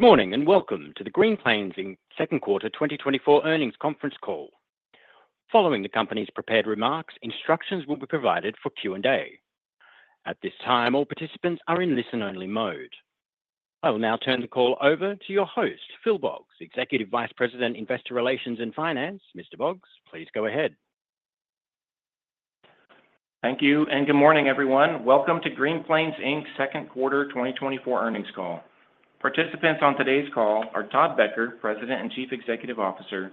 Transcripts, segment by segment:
Good morning, and welcome to the Green Plains Inc. second quarter 2024 earnings conference call. Following the company's prepared remarks, instructions will be provided for Q&A. At this time, all participants are in listen-only mode. I will now turn the call over to your host, Phil Boggs, Executive Vice President, Investor Relations and Finance. Mr. Boggs, please go ahead. Thank you, and good morning, everyone. Welcome to Green Plains Inc.'s second quarter 2024 earnings call. Participants on today's call are Todd Becker, President and Chief Executive Officer,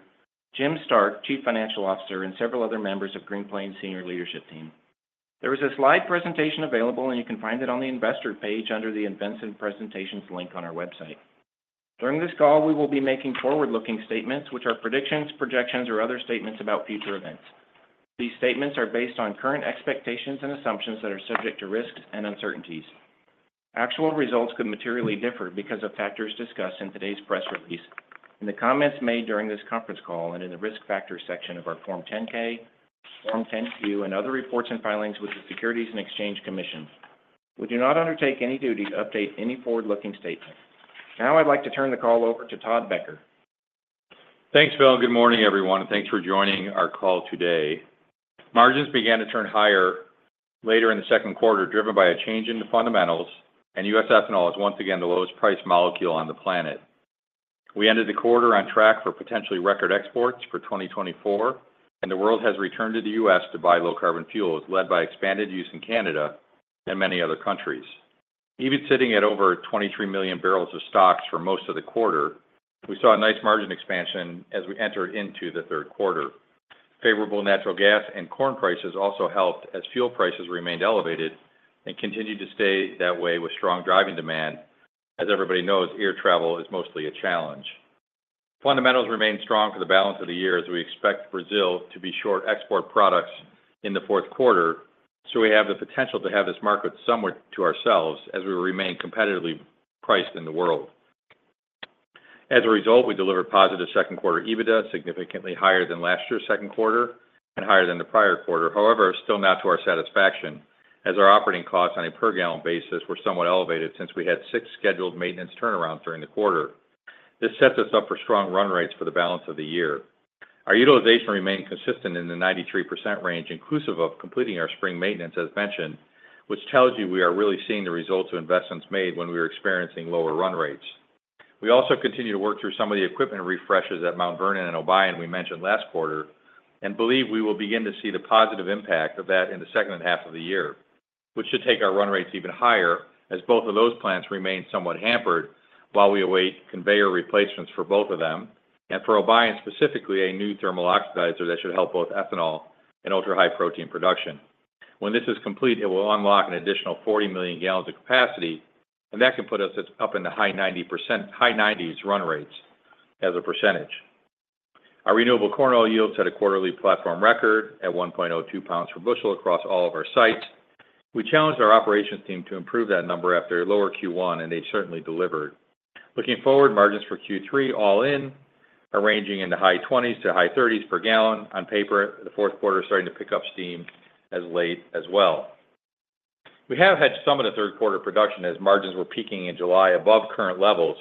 Jim Stark, Chief Financial Officer, and several other members of Green Plains' senior leadership team. There is a slide presentation available, and you can find it on the investor page under the Investments and Presentations link on our website. During this call, we will be making forward-looking statements, which are predictions, projections, or other statements about future events. These statements are based on current expectations and assumptions that are subject to risks and uncertainties. Actual results could materially differ because of factors discussed in today's press release, in the comments made during this conference call, and in the Risk Factors section of our Form 10-K, Form 10-Q, and other reports and filings with the Securities and Exchange Commission. We do not undertake any duty to update any forward-looking statement. Now, I'd like to turn the call over to Todd Becker. Thanks, Phil, and good morning, everyone, and thanks for joining our call today. Margins began to turn higher later in the second quarter, driven by a change in the fundamentals, and U.S. ethanol is once again the lowest priced molecule on the planet. We ended the quarter on track for potentially record exports for 2024, and the world has returned to the U.S. to buy low-carbon fuels, led by expanded use in Canada and many other countries. Even sitting at over 23 million barrels of stocks for most of the quarter, we saw a nice margin expansion as we entered into the third quarter. Favorable natural gas and corn prices also helped as fuel prices remained elevated and continued to stay that way with strong driving demand. As everybody knows, air travel is mostly a challenge. Fundamentals remain strong for the balance of the year as we expect Brazil to be short export products in the fourth quarter, so we have the potential to have this market somewhat to ourselves as we remain competitively priced in the world. As a result, we delivered positive second quarter EBITDA, significantly higher than last year's second quarter and higher than the prior quarter. However, still not to our satisfaction, as our operating costs on a per gallon basis were somewhat elevated since we had six scheduled maintenance turnarounds during the quarter. This sets us up for strong run rates for the balance of the year. Our utilization remained consistent in the 93% range, inclusive of completing our spring maintenance, as mentioned, which tells you we are really seeing the results of investments made when we were experiencing lower run rates. We also continue to work through some of the equipment refreshes at Mount Vernon and Obion we mentioned last quarter, and believe we will begin to see the positive impact of that in the second half of the year, which should take our run rates even higher as both of those plants remain somewhat hampered while we await conveyor replacements for both of them, and for Obion, specifically, a new thermal oxidizer that should help both ethanol and Ultra-High Protein production. When this is complete, it will unlock an additional 40 million gallons of capacity, and that can put us up in the high 90%--high 90s run rates as a percentage. Our renewable corn oil yields set a quarterly platform record at 1.2 pounds per bushel across all of our sites. We challenged our operations team to improve that number after a lower Q1, and they certainly delivered. Looking forward, margins for Q3 all in are ranging in the high 20s to high 30s per gallon. On paper, the fourth quarter is starting to pick up steam as late as well. We have hedged some of the third quarter production as margins were peaking in July above current levels,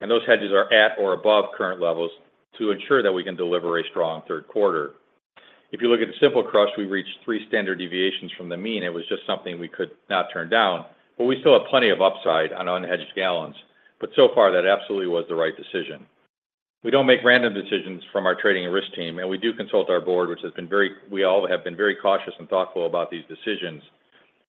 and those hedges are at or above current levels to ensure that we can deliver a strong third quarter. If you look at the simple crush, we reached three standard deviations from the mean. It was just something we could not turn down, but we still have plenty of upside on unhedged gallons. But so far, that absolutely was the right decision. We don't make random decisions from our trading and risk team, and we do consult our board, which has been very. We all have been very cautious and thoughtful about these decisions.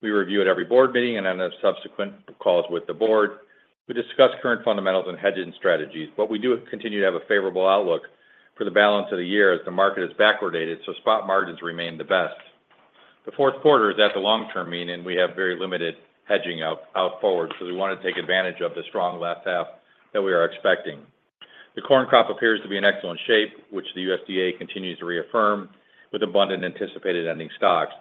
We review at every board meeting and on the subsequent calls with the board. We discuss current fundamentals and hedging strategies, but we do continue to have a favorable outlook for the balance of the year as the market is backwardated, so spot margins remain the best. The fourth quarter is at the long-term mean, and we have very limited hedging out, out forward, so we want to take advantage of the strong last half that we are expecting. The corn crop appears to be in excellent shape, which the USDA continues to reaffirm with abundant anticipated ending stocks.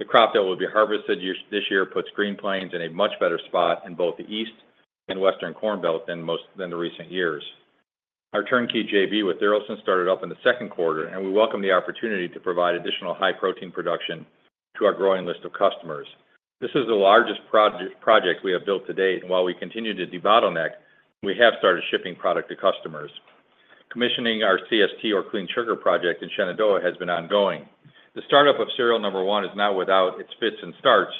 The crop that will be harvested this year puts Green Plains in a much better spot in both the East and Western corn belt than most than the recent years. Our turnkey JV with Tharaldson started up in the second quarter, and we welcome the opportunity to provide additional high-protein production to our growing list of customers. This is the largest project we have built to date, and while we continue to debottleneck, we have started shipping product to customers. Commissioning our CST or Clean Sugar project in Shenandoah has been ongoing. The startup of serial number one is not without its fits and starts,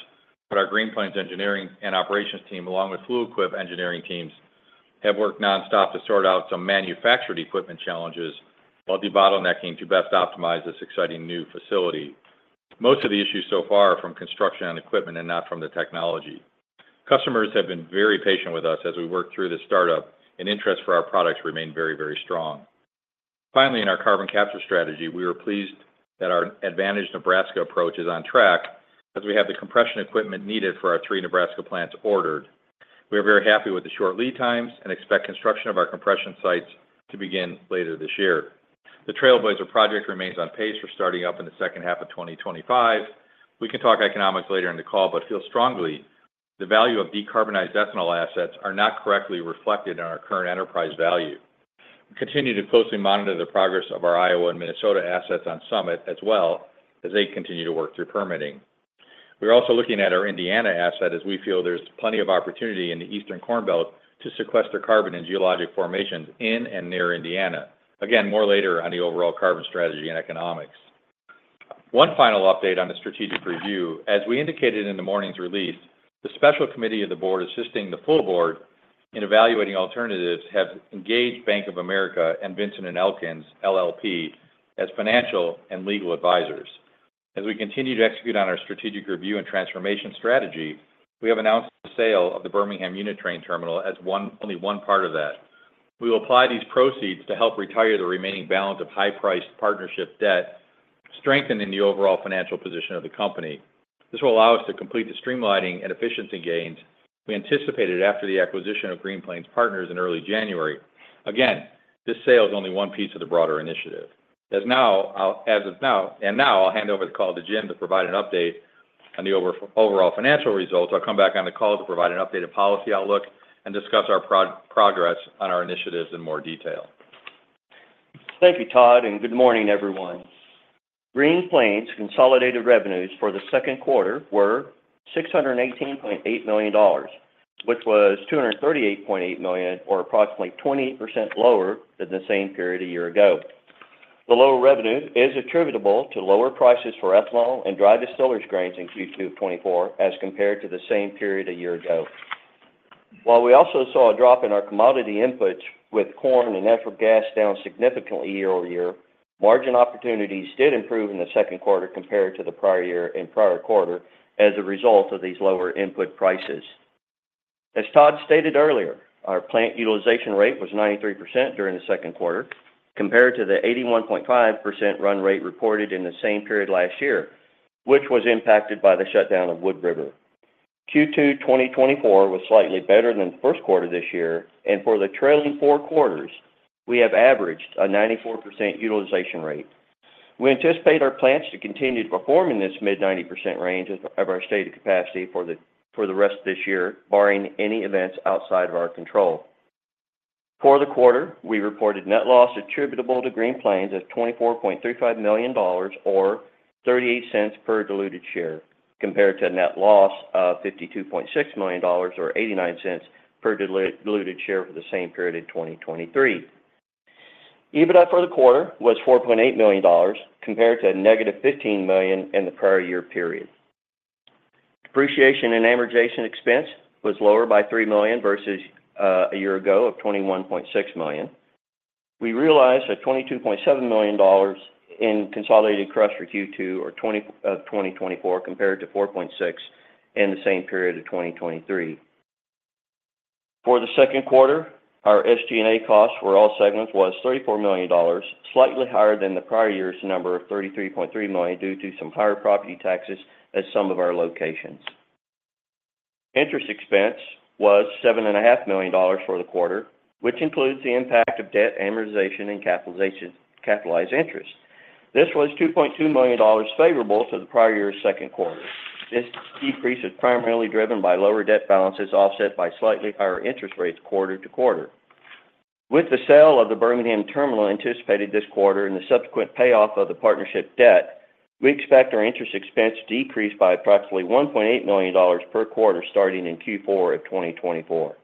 but our Green Plains engineering and operations team, along with Fluid Quip engineering teams, have worked nonstop to sort out some manufactured equipment challenges while debottlenecking to best optimize this exciting new facility. Most of the issues so far are from construction and equipment and not from the technology. Customers have been very patient with us as we work through this startup, and interest for our products remain very, very strong. Finally, in our carbon capture strategy, we are pleased that our Advantage Nebraska approach is on track as we have the compression equipment needed for our three Nebraska plants ordered. We are very happy with the short lead times and expect construction of our compression sites to begin later this year. The Trailblazer project remains on pace for starting up in the second half of 2025. We can talk economics later in the call, but feel strongly the value of decarbonized ethanol assets are not correctly reflected in our current enterprise value. We continue to closely monitor the progress of our Iowa and Minnesota assets on Summit, as well as they continue to work through permitting. We're also looking at our Indiana asset, as we feel there's plenty of opportunity in the Eastern Corn Belt to sequester carbon in geologic formations in and near Indiana. Again, more later on the overall carbon strategy and economics. One final update on the strategic review. As we indicated in the morning's release, the special committee of the board assisting the full board in evaluating alternatives have engaged Bank of America and Vinson & Elkins LLP as financial and legal advisors. As we continue to execute on our strategic review and transformation strategy, we have announced the sale of the Birmingham unit train terminal as one - only one part of that. We will apply these proceeds to help retire the remaining balance of high-priced partnership debt, strengthening the overall financial position of the company. This will allow us to complete the streamlining and efficiency gains we anticipated after the acquisition of Green Plains Partners in early January. Again, this sale is only one piece of the broader initiative. Now I'll hand over the call to Jim to provide an update on the overall financial results. I'll come back on the call to provide an updated policy outlook and discuss our progress on our initiatives in more detail. Thank you, Todd, and good morning, everyone. Green Plains' consolidated revenues for the second quarter were $618.8 million, which was $238.8 million, or approximately 28% lower than the same period a year ago. The lower revenue is attributable to lower prices for ethanol and dry distillers grains in Q2 of 2024 as compared to the same period a year ago. While we also saw a drop in our commodity inputs with corn and ethanol gas down significantly year-over-year, margin opportunities did improve in the second quarter compared to the prior year and prior quarter as a result of these lower input prices. As Todd stated earlier, our plant utilization rate was 93% during the second quarter, compared to the 81.5% run rate reported in the same period last year, which was impacted by the shutdown of Wood River. Q2 2024 was slightly better than the first quarter this year, and for the trailing four quarters, we have averaged a 94% utilization rate. We anticipate our plants to continue to perform in this mid-90% range of our stated capacity for the rest of this year, barring any events outside of our control. For the quarter, we reported net loss attributable to Green Plains of $24.35 million or $0.38 per diluted share, compared to a net loss of $52.6 million or $0.89 per diluted share for the same period in 2023. EBITDA for the quarter was $4.8 million, compared to -$15 million in the prior year period. Depreciation and amortization expense was lower by $3 million versus a year ago of $21.6 million. We realized $22.7 million in consolidated crush for Q2 of 2024, compared to $4.6 million in the same period of 2023. For the second quarter, our SG&A costs for all segments was $34 million, slightly higher than the prior year's number of $33.3 million due to some higher property taxes at some of our locations. Interest expense was $7.5 million for the quarter, which includes the impact of debt amortization and capitalized interest. This was $2.2 million favorable to the prior year's second quarter. This decrease is primarily driven by lower debt balances, offset by slightly higher interest rates quarter to quarter. With the sale of the Birmingham terminal anticipated this quarter and the subsequent payoff of the partnership debt, we expect our interest expense to decrease by approximately $1.8 million per quarter, starting in Q4 of 2024.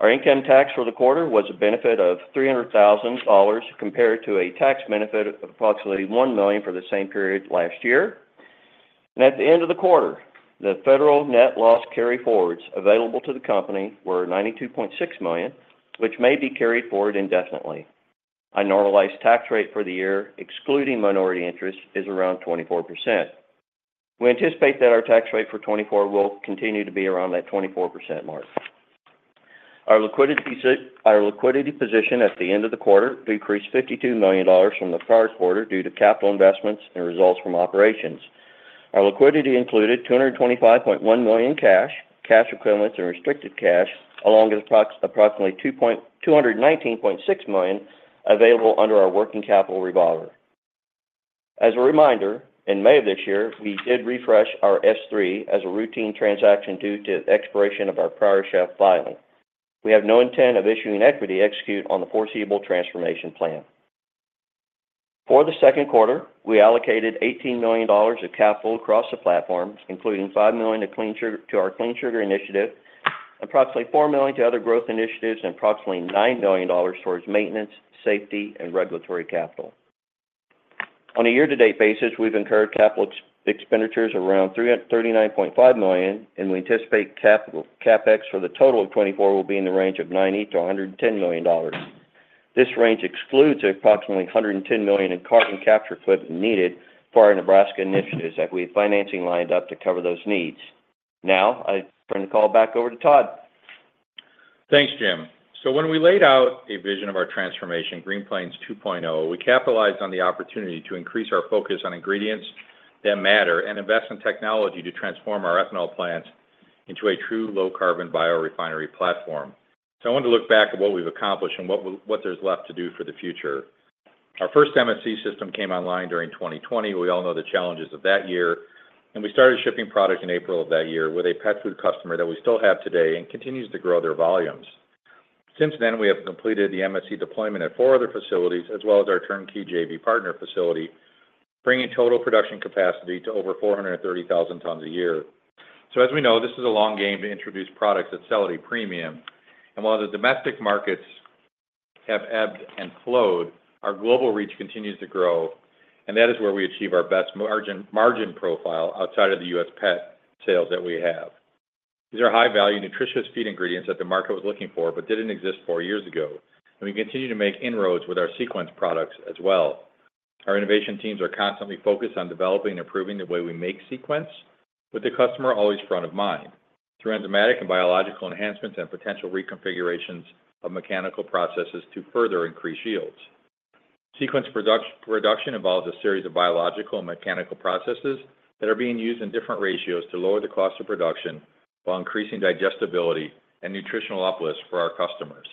Our income tax for the quarter was a benefit of $300,000, compared to a tax benefit of approximately $1 million for the same period last year. At the end of the quarter, the federal net loss carryforwards available to the company were $92.6 million, which may be carried forward indefinitely. Our normalized tax rate for the year, excluding minority interest, is around 24%. We anticipate that our tax rate for 2024 will continue to be around that 24% mark. Our liquidity position at the end of the quarter decreased $52 million from the prior quarter due to capital investments and results from operations. Our liquidity included $225.1 million cash, cash equivalents, and restricted cash, along with approximately $219.6 million available under our working capital revolver. As a reminder, in May of this year, we did refresh our S-3 as a routine transaction due to expiration of our prior shelf filing. We have no intent of issuing equity execute on the foreseeable transformation plan. For the second quarter, we allocated $18 million of capital across the platforms, including $5 million to our Clean Sugar Initiative, approximately $4 million to other growth initiatives, and approximately $9 million towards maintenance, safety, and regulatory capital. On a year-to-date basis, we've incurred capital expenditures around $39.5 million, and we anticipate CapEx for the total of 2024 will be in the range of $90 million-$110 million. This range excludes approximately $110 million in carbon capture equipment needed for our Nebraska initiatives, that we have financing lined up to cover those needs. Now, I turn the call back over to Todd. Thanks, Jim. So when we laid out a vision of our transformation, Green Plains 2.0, we capitalized on the opportunity to increase our focus on ingredients that matter and invest in technology to transform our ethanol plants into a true low-carbon biorefinery platform. So I want to look back at what we've accomplished and what there's left to do for the future. Our first MSC system came online during 2020. We all know the challenges of that year, and we started shipping product in April of that year with a pet food customer that we still have today and continues to grow their volumes. Since then, we have completed the MSC deployment at four other facilities, as well as our turnkey JV partner facility, bringing total production capacity to over 430,000 tons a year. As we know, this is a long game to introduce products that sell at a premium. While the domestic markets have ebbed and flowed, our global reach continues to grow, and that is where we achieve our best margin, margin profile outside of the U.S. pet sales that we have. These are high-value, nutritious feed ingredients that the market was looking for, but didn't exist four years ago. We continue to make inroads with our Sequence products as well. Our innovation teams are constantly focused on developing and improving the way we make Sequence, with the customer always front of mind, through enzymatic and biological enhancements and potential reconfigurations of mechanical processes to further increase yields. Sequence product production involves a series of biological and mechanical processes that are being used in different ratios to lower the cost of production, while increasing digestibility and nutritional uplift for our customers.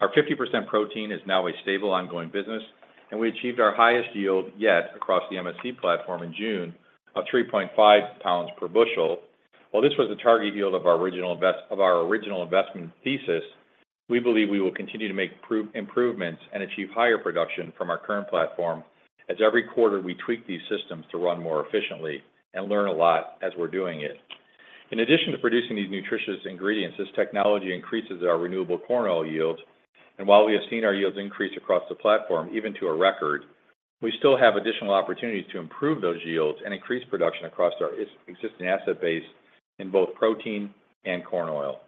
Our 50% protein is now a stable, ongoing business, and we achieved our highest yield yet across the MSC platform in June of 3.5 pounds per bushel. While this was the target yield of our original investment thesis, we believe we will continue to make process improvements and achieve higher production from our current platform, as every quarter we tweak these systems to run more efficiently and learn a lot as we're doing it. In addition to producing these nutritious ingredients, this technology increases our renewable corn oil yield. While we have seen our yields increase across the platform, even to a record, we still have additional opportunities to improve those yields and increase production across our existing asset base in both protein and corn oil.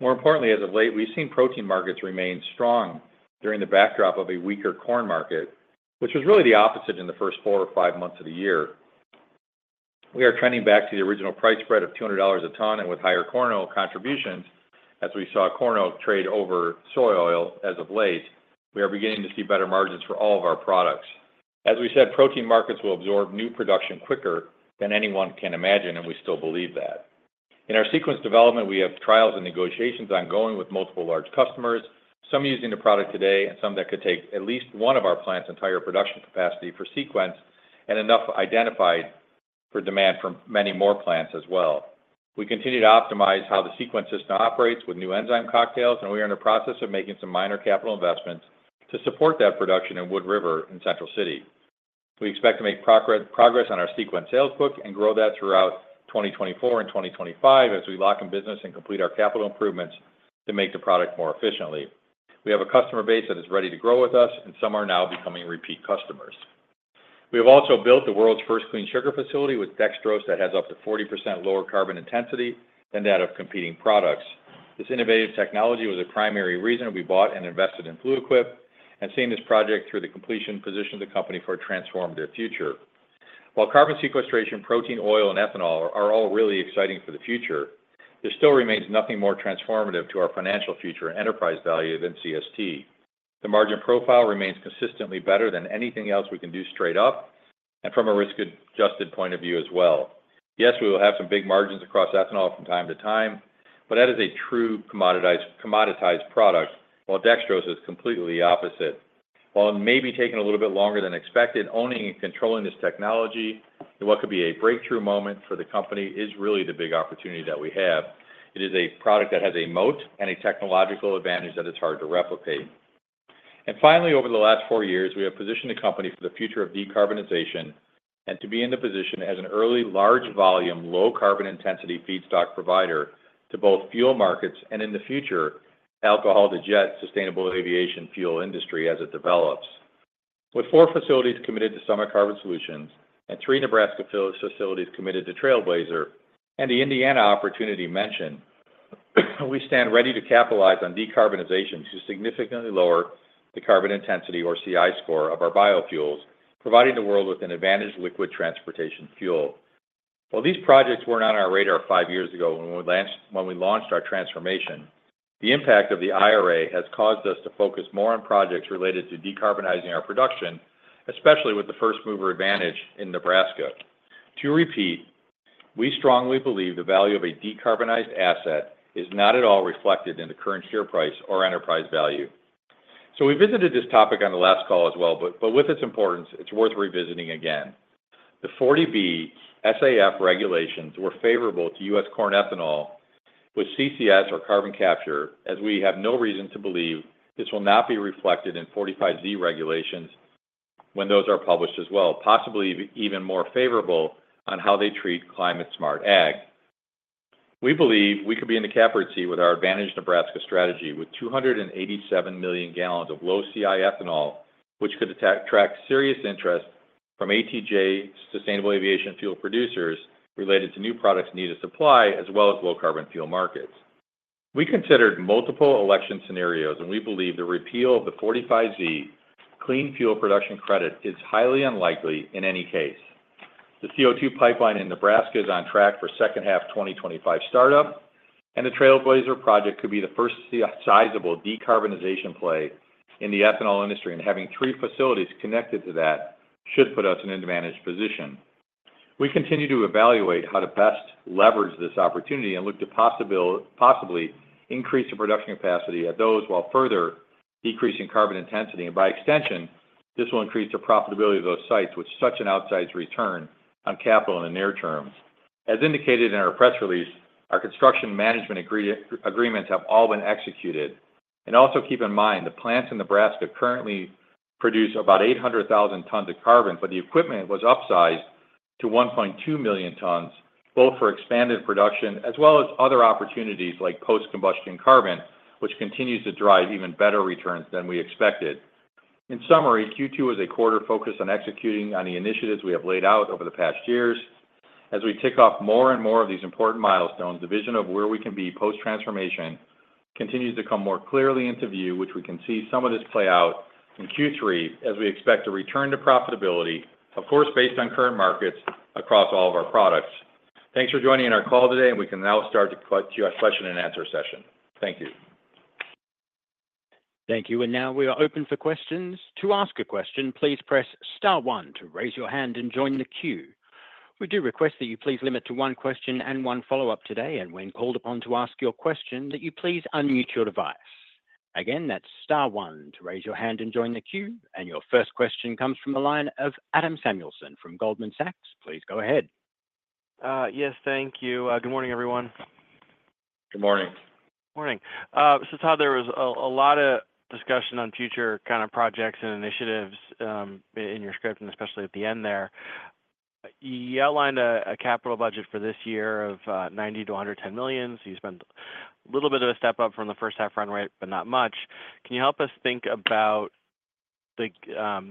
More importantly, as of late, we've seen protein markets remain strong during the backdrop of a weaker corn market, which was really the opposite in the first four or five months of the year. We are trending back to the original price spread of $200 a ton, and with higher corn oil contributions, as we saw corn oil trade over soy oil as of late, we are beginning to see better margins for all of our products. As we said, protein markets will absorb new production quicker than anyone can imagine, and we still believe that. In our Sequence development, we have trials and negotiations ongoing with multiple large customers, some using the product today and some that could take at least one of our plant's entire production capacity for Sequence, and enough identified for demand from many more plants as well. We continue to optimize how the Sequence system operates with new enzyme cocktails, and we are in the process of making some minor capital investments to support that production in Wood River and Central City. We expect to make progress on our Sequence sales book and grow that throughout 2024 and 2025 as we lock in business and complete our capital improvements to make the product more efficiently. We have a customer base that is ready to grow with us, and some are now becoming repeat customers. We have also built the world's first clean sugar facility with dextrose that has up to 40% lower carbon intensity than that of competing products. This innovative technology was a primary reason we bought and invested in Fluid Quip, and seeing this project through the completion positioned the company for a transformative future. While carbon sequestration, protein, oil, and ethanol are all really exciting for the future, there still remains nothing more transformative to our financial future and enterprise value than CST. The margin profile remains consistently better than anything else we can do straight up and from a risk-adjusted point of view as well. Yes, we will have some big margins across ethanol from time to time, but that is a true commoditized, commoditized product, while dextrose is completely the opposite. While it may be taking a little bit longer than expected, owning and controlling this technology, in what could be a breakthrough moment for the company, is really the big opportunity that we have. It is a product that has a moat and a technological advantage that is hard to replicate. And finally, over the last four years, we have positioned the company for the future of decarbonization and to be in the position as an early, large volume, low carbon intensity feedstock provider to both fuel markets and, in the future, alcohol-to-jet sustainable aviation fuel industry as it develops. With four facilities committed to Summit Carbon Solutions and three Nebraska facilities committed to Trailblazer, and the Indiana opportunity mentioned, we stand ready to capitalize on decarbonization to significantly lower the carbon intensity, or CI score, of our biofuels, providing the world with an advantaged liquid transportation fuel. While these projects weren't on our radar five years ago when we launched, when we launched our transformation, the impact of the IRA has caused us to focus more on projects related to decarbonizing our production, especially with the first mover advantage in Nebraska. To repeat, we strongly believe the value of a decarbonized asset is not at all reflected in the current share price or enterprise value. So we visited this topic on the last call as well, but with its importance, it's worth revisiting again. The 40B SAF regulations were favorable to U.S. corn ethanol with CCS, or carbon capture, as we have no reason to believe this will not be reflected in 45Z regulations when those are published as well, possibly even more favorable on how they treat climate-smart ag. We believe we could be in the driver's seat with our Advantage Nebraska strategy, with 287 million gallons of low CI ethanol, which could attract serious interest from ATJ sustainable aviation fuel producers related to new products need of supply, as well as low-carbon fuel markets. We considered multiple election scenarios, and we believe the repeal of the 45Z clean fuel production credit is highly unlikely in any case. The CO2 pipeline in Nebraska is on track for second half 2025 startup, and the Trailblazer project could be the first sizable decarbonization play in the ethanol industry, and having three facilities connected to that should put us in an advantage position. We continue to evaluate how to best leverage this opportunity and look to possibly increase the production capacity at those, while further decreasing carbon intensity, and by extension, this will increase the profitability of those sites with such an outsized return on capital in the near term. As indicated in our press release, our construction management agreements have all been executed. Also keep in mind, the plants in Nebraska currently produce about 800,000 tons of carbon, but the equipment was upsized to 1.2 million tons, both for expanded production as well as other opportunities like post-combustion carbon, which continues to drive even better returns than we expected. In summary, Q2 is a quarter focused on executing on the initiatives we have laid out over the past years. As we tick off more and more of these important milestones, the vision of where we can be post-transformation continues to come more clearly into view, which we can see some of this play out in Q3 as we expect to return to profitability, of course, based on current markets across all of our products. Thanks for joining in our call today, and we can now start our question and answer session. Thank you. Thank you. Now we are open for questions. To ask a question, please press star one to raise your hand and join the queue. We do request that you please limit to one question and one follow-up today, and when called upon to ask your question, that you please unmute your device. Again, that's star one to raise your hand and join the queue. Your first question comes from the line of Adam Samuelson from Goldman Sachs. Please go ahead. Yes, thank you. Good morning, everyone. Good morning. Morning. So Todd, there was a lot of discussion on future kind of projects and initiatives in your script, and especially at the end there. You outlined a capital budget for this year of $90 million-$110 million. So you spent a little bit of a step up from the first half run rate, but not much. Can you help us think about the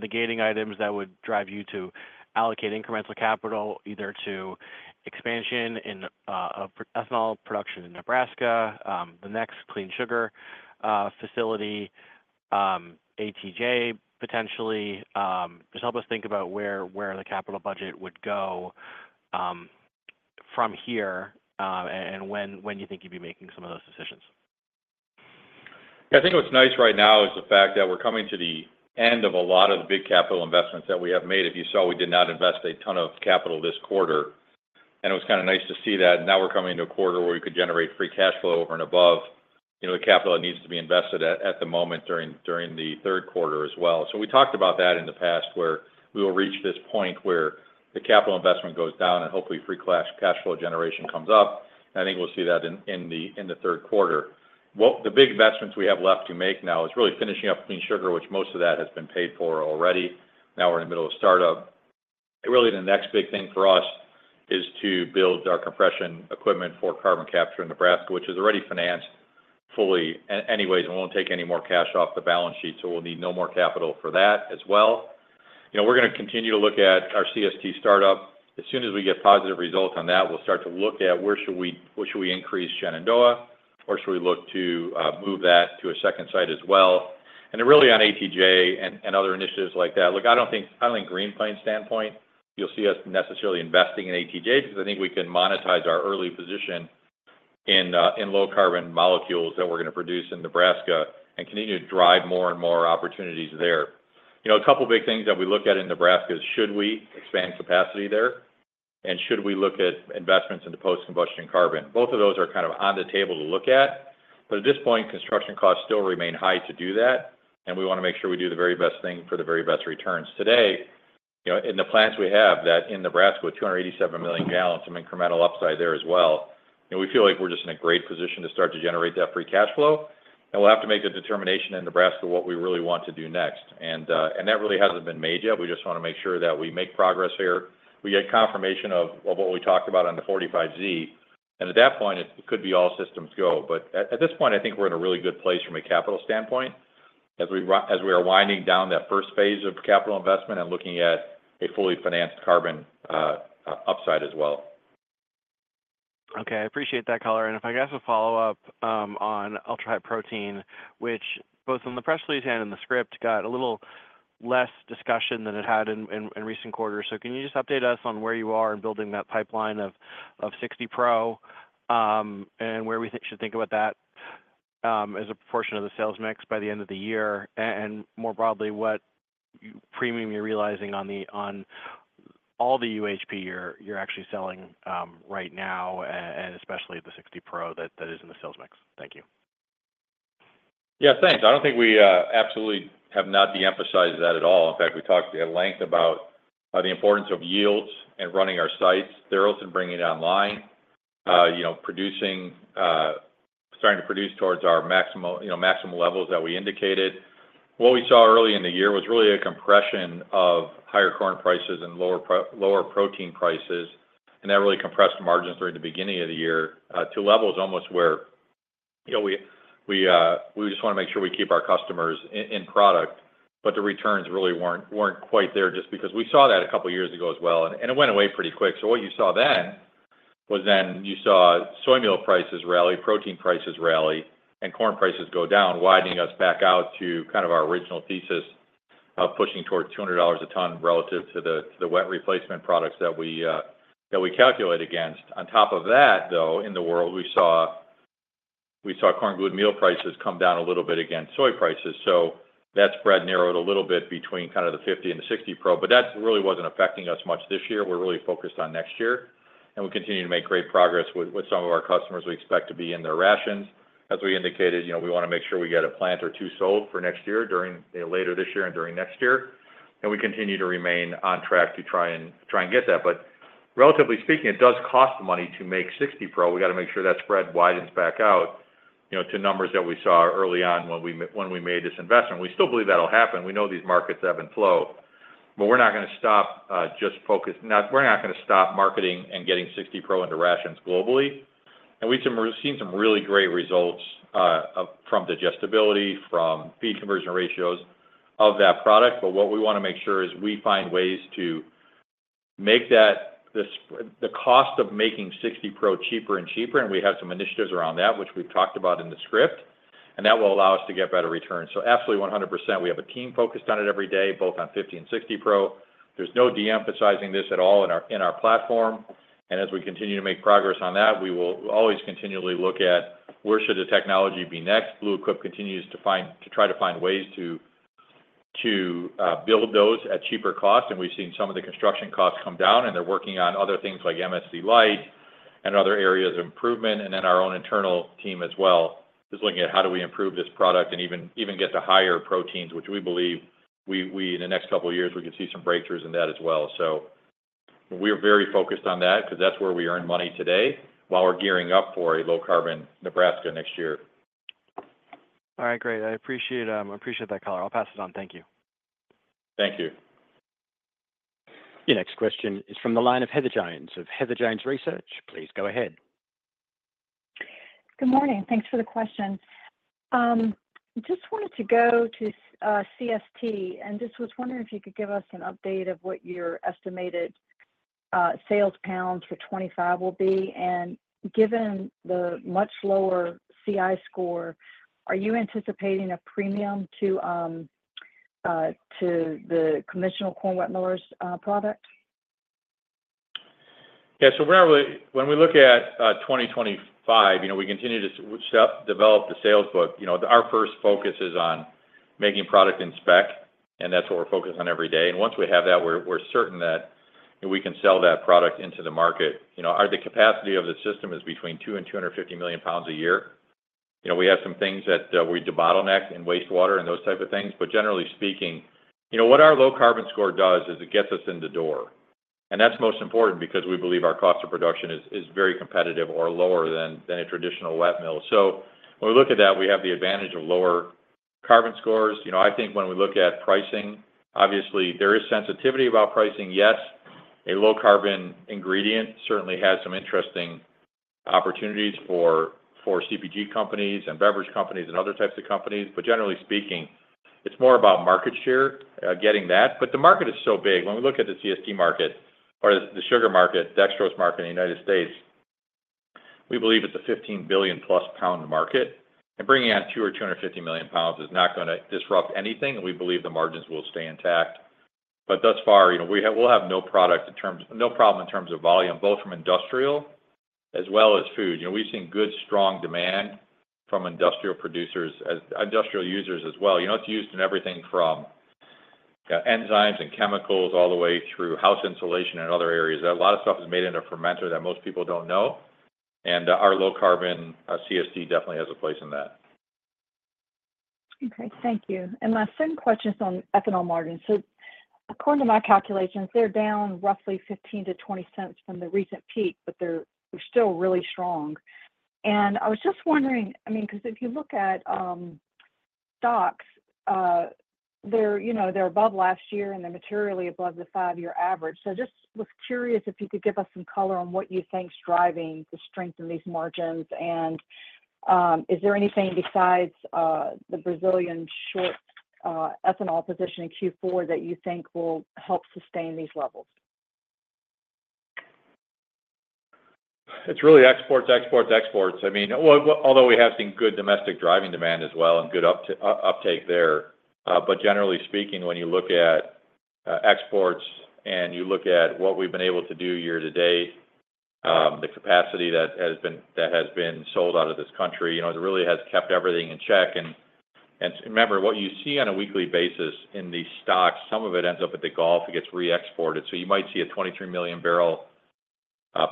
gating items that would drive you to allocate incremental capital, either to expansion in of ethanol production in Nebraska, the next Clean Sugar facility, ATJ, potentially, just help us think about where the capital budget would go from here, and when you think you'd be making some of those decisions? I think what's nice right now is the fact that we're coming to the end of a lot of the big capital investments that we have made. If you saw, we did not invest a ton of capital this quarter, and it was kind of nice to see that. Now we're coming to a quarter where we could generate free cash flow over and above, you know, the capital that needs to be invested at the moment during the third quarter as well. So we talked about that in the past, where we will reach this point where the capital investment goes down and hopefully, free cash flow generation comes up. I think we'll see that in the third quarter. The big investments we have left to make now is really finishing up Clean Sugar, which most of that has been paid for already. Now we're in the middle of startup. Really, the next big thing for us is to build our compression equipment for carbon capture in Nebraska, which is already financed fully anyways, and won't take any more cash off the balance sheet, so we'll need no more capital for that as well. You know, we're going to continue to look at our CST startup. As soon as we get positive results on that, we'll start to look at where should we increase Shenandoah, or should we look to move that to a second site as well? And then really on ATJ and, and other initiatives like that, look, I don't think, I think Green Plains standpoint, you'll see us necessarily investing in ATJ because I think we can monetize our early position in, in low carbon molecules that we're going to produce in Nebraska and continue to drive more and more opportunities there. You know, a couple of big things that we look at in Nebraska is, should we expand capacity there? And should we look at investments in the post-combustion carbon? Both of those are kind of on the table to look at, but at this point, construction costs still remain high to do that, and we want to make sure we do the very best thing for the very best returns. Today, you know, in the plants we have that in Nebraska, with 287 million gallons, some incremental upside there as well, and we feel like we're just in a great position to start to generate that free cash flow. And we'll have to make the determination in Nebraska, what we really want to do next. And that really hasn't been made yet. We just want to make sure that we make progress here. We get confirmation of what we talked about on the 45Z, and at that point, it could be all systems go. But at this point, I think we're in a really good place from a capital standpoint as we are winding down that first phase of capital investment and looking at a fully financed carbon upside as well. Okay, I appreciate that color. And if I could ask a follow-up on Ultra-High Protein, which both on the press release and in the script got a little less discussion than it had in recent quarters. So can you just update us on where you are in building that pipeline of 60 Pro and where we should think about that as a proportion of the sales mix by the end of the year? And more broadly, what premium you're realizing on all the UHP you're actually selling right now and especially the 60 Pro that is in the sales mix. Thank you. Yeah, thanks. I don't think we absolutely have not de-emphasized that at all. In fact, we talked at length about the importance of yields and running our sites, stills, and bringing it online. You know, producing, starting to produce towards our maximum, you know, maximum levels that we indicated. What we saw early in the year was really a compression of higher corn prices and lower protein prices, and that really compressed margins during the beginning of the year to levels almost where, you know, we just want to make sure we keep our customers in product, but the returns really weren't quite there, just because we saw that a couple of years ago as well, and it went away pretty quick. So what you saw then was you saw soymeal prices rally, protein prices rally, and corn prices go down, widening us back out to kind of our original thesis of pushing towards $200 a ton relative to the wet replacement products that we calculate against. On top of that, though, in the world, we saw corn gluten meal prices come down a little bit against soy prices. So that spread narrowed a little bit between kind of the 50 and the 60 Pro, but that really wasn't affecting us much this year. We're really focused on next year, and we're continuing to make great progress with some of our customers we expect to be in their rations. As we indicated, you know, we wanna make sure we get a plant or two sold for next year, during, you know, later this year and during next year. And we continue to remain on track to try and get that. But relatively speaking, it does cost money to make 60 Pro. We got to make sure that spread widens back out, you know, to numbers that we saw early on when we made this investment. We still believe that'll happen. We know these markets ebb and flow. But we're not gonna stop marketing and getting 60 Pro into rations globally. And we've seen some really great results from digestibility, from feed conversion ratios of that product. What we wanna make sure is we find ways to make that, the cost of making 60 Pro cheaper and cheaper, and we have some initiatives around that, which we've talked about in the script, and that will allow us to get better returns. So absolutely 100%, we have a team focused on it every day, both on 50 Pro and 60 Pro. There's no de-emphasizing this at all in our platform, and as we continue to make progress on that, we will always continually look at where should the technology be next. Fluid Quip continues to try to find ways to build those at cheaper costs, and we've seen some of the construction costs come down, and they're working on other things like MSC Light and other areas of improvement. Then our own internal team as well is looking at how do we improve this product and even get to higher proteins, which we believe, in the next couple of years, we could see some breakthroughs in that as well. So we're very focused on that because that's where we earn money today, while we're gearing up for a low carbon Nebraska next year. All right, great. I appreciate, I appreciate that, color. I'll pass it on. Thank you. Thank you. Your next question is from the line of Heather Jones of Heather Jones Research. Please go ahead. Good morning, and thanks for the question. Just wanted to go to CST, and just was wondering if you could give us an update of what your estimated sales pounds for 25 will be. Given the much lower CI score, are you anticipating a premium to the conventional corn wet millers product? Yeah, so when we're, when we look at 2025, you know, we continue to develop the sales book. You know, our first focus is on making product in spec, and that's what we're focused on every day. And once we have that, we're certain that, you know, we can sell that product into the market. You know, our, the capacity of the system is between 2 and 250 million pounds a year. You know, we have some things that we debottleneck in wastewater and those type of things. But generally speaking, you know, what our low carbon score does is it gets us in the door. And that's most important because we believe our cost of production is very competitive or lower than a traditional wet mill. When we look at that, we have the advantage of lower carbon scores. You know, I think when we look at pricing, obviously, there is sensitivity about pricing. Yes, a low carbon ingredient certainly has some interesting opportunities for CPG companies and beverage companies and other types of companies, but generally speaking, it's more about market share, getting that. But the market is so big. When we look at the CST market or the sugar market, dextrose market in the United States, we believe it's a 15 billion+ pound market, and bringing out 200 or 250 million pounds is not gonna disrupt anything, and we believe the margins will stay intact. But thus far, you know, we'll have no problem in terms of volume, both from industrial as well as food. You know, we've seen good, strong demand from industrial users as well. You know, it's used in everything from enzymes and chemicals, all the way through house insulation and other areas. A lot of stuff is made in a fermenter that most people don't know, and our low carbon CST definitely has a place in that. Okay, thank you. And my second question is on ethanol margins. So according to my calculations, they're down roughly $0.15-$0.20 from the recent peak, but they're, they're still really strong. And I was just wondering, I mean, because if you look at stocks, they're, you know, they're above last year and they're materially above the 5-year average. So just was curious if you could give us some color on what you think is driving the strength in these margins, and is there anything besides the Brazilian short ethanol position in Q4 that you think will help sustain these levels? It's really exports, exports, exports. I mean, although we have seen good domestic driving demand as well and good uptake there, but generally speaking, when you look at exports and you look at what we've been able to do year to date, the capacity that has been sold out of this country, you know, it really has kept everything in check. And remember, what you see on a weekly basis in these stocks, some of it ends up at the Gulf, it gets re-exported. So you might see a 23 million bbl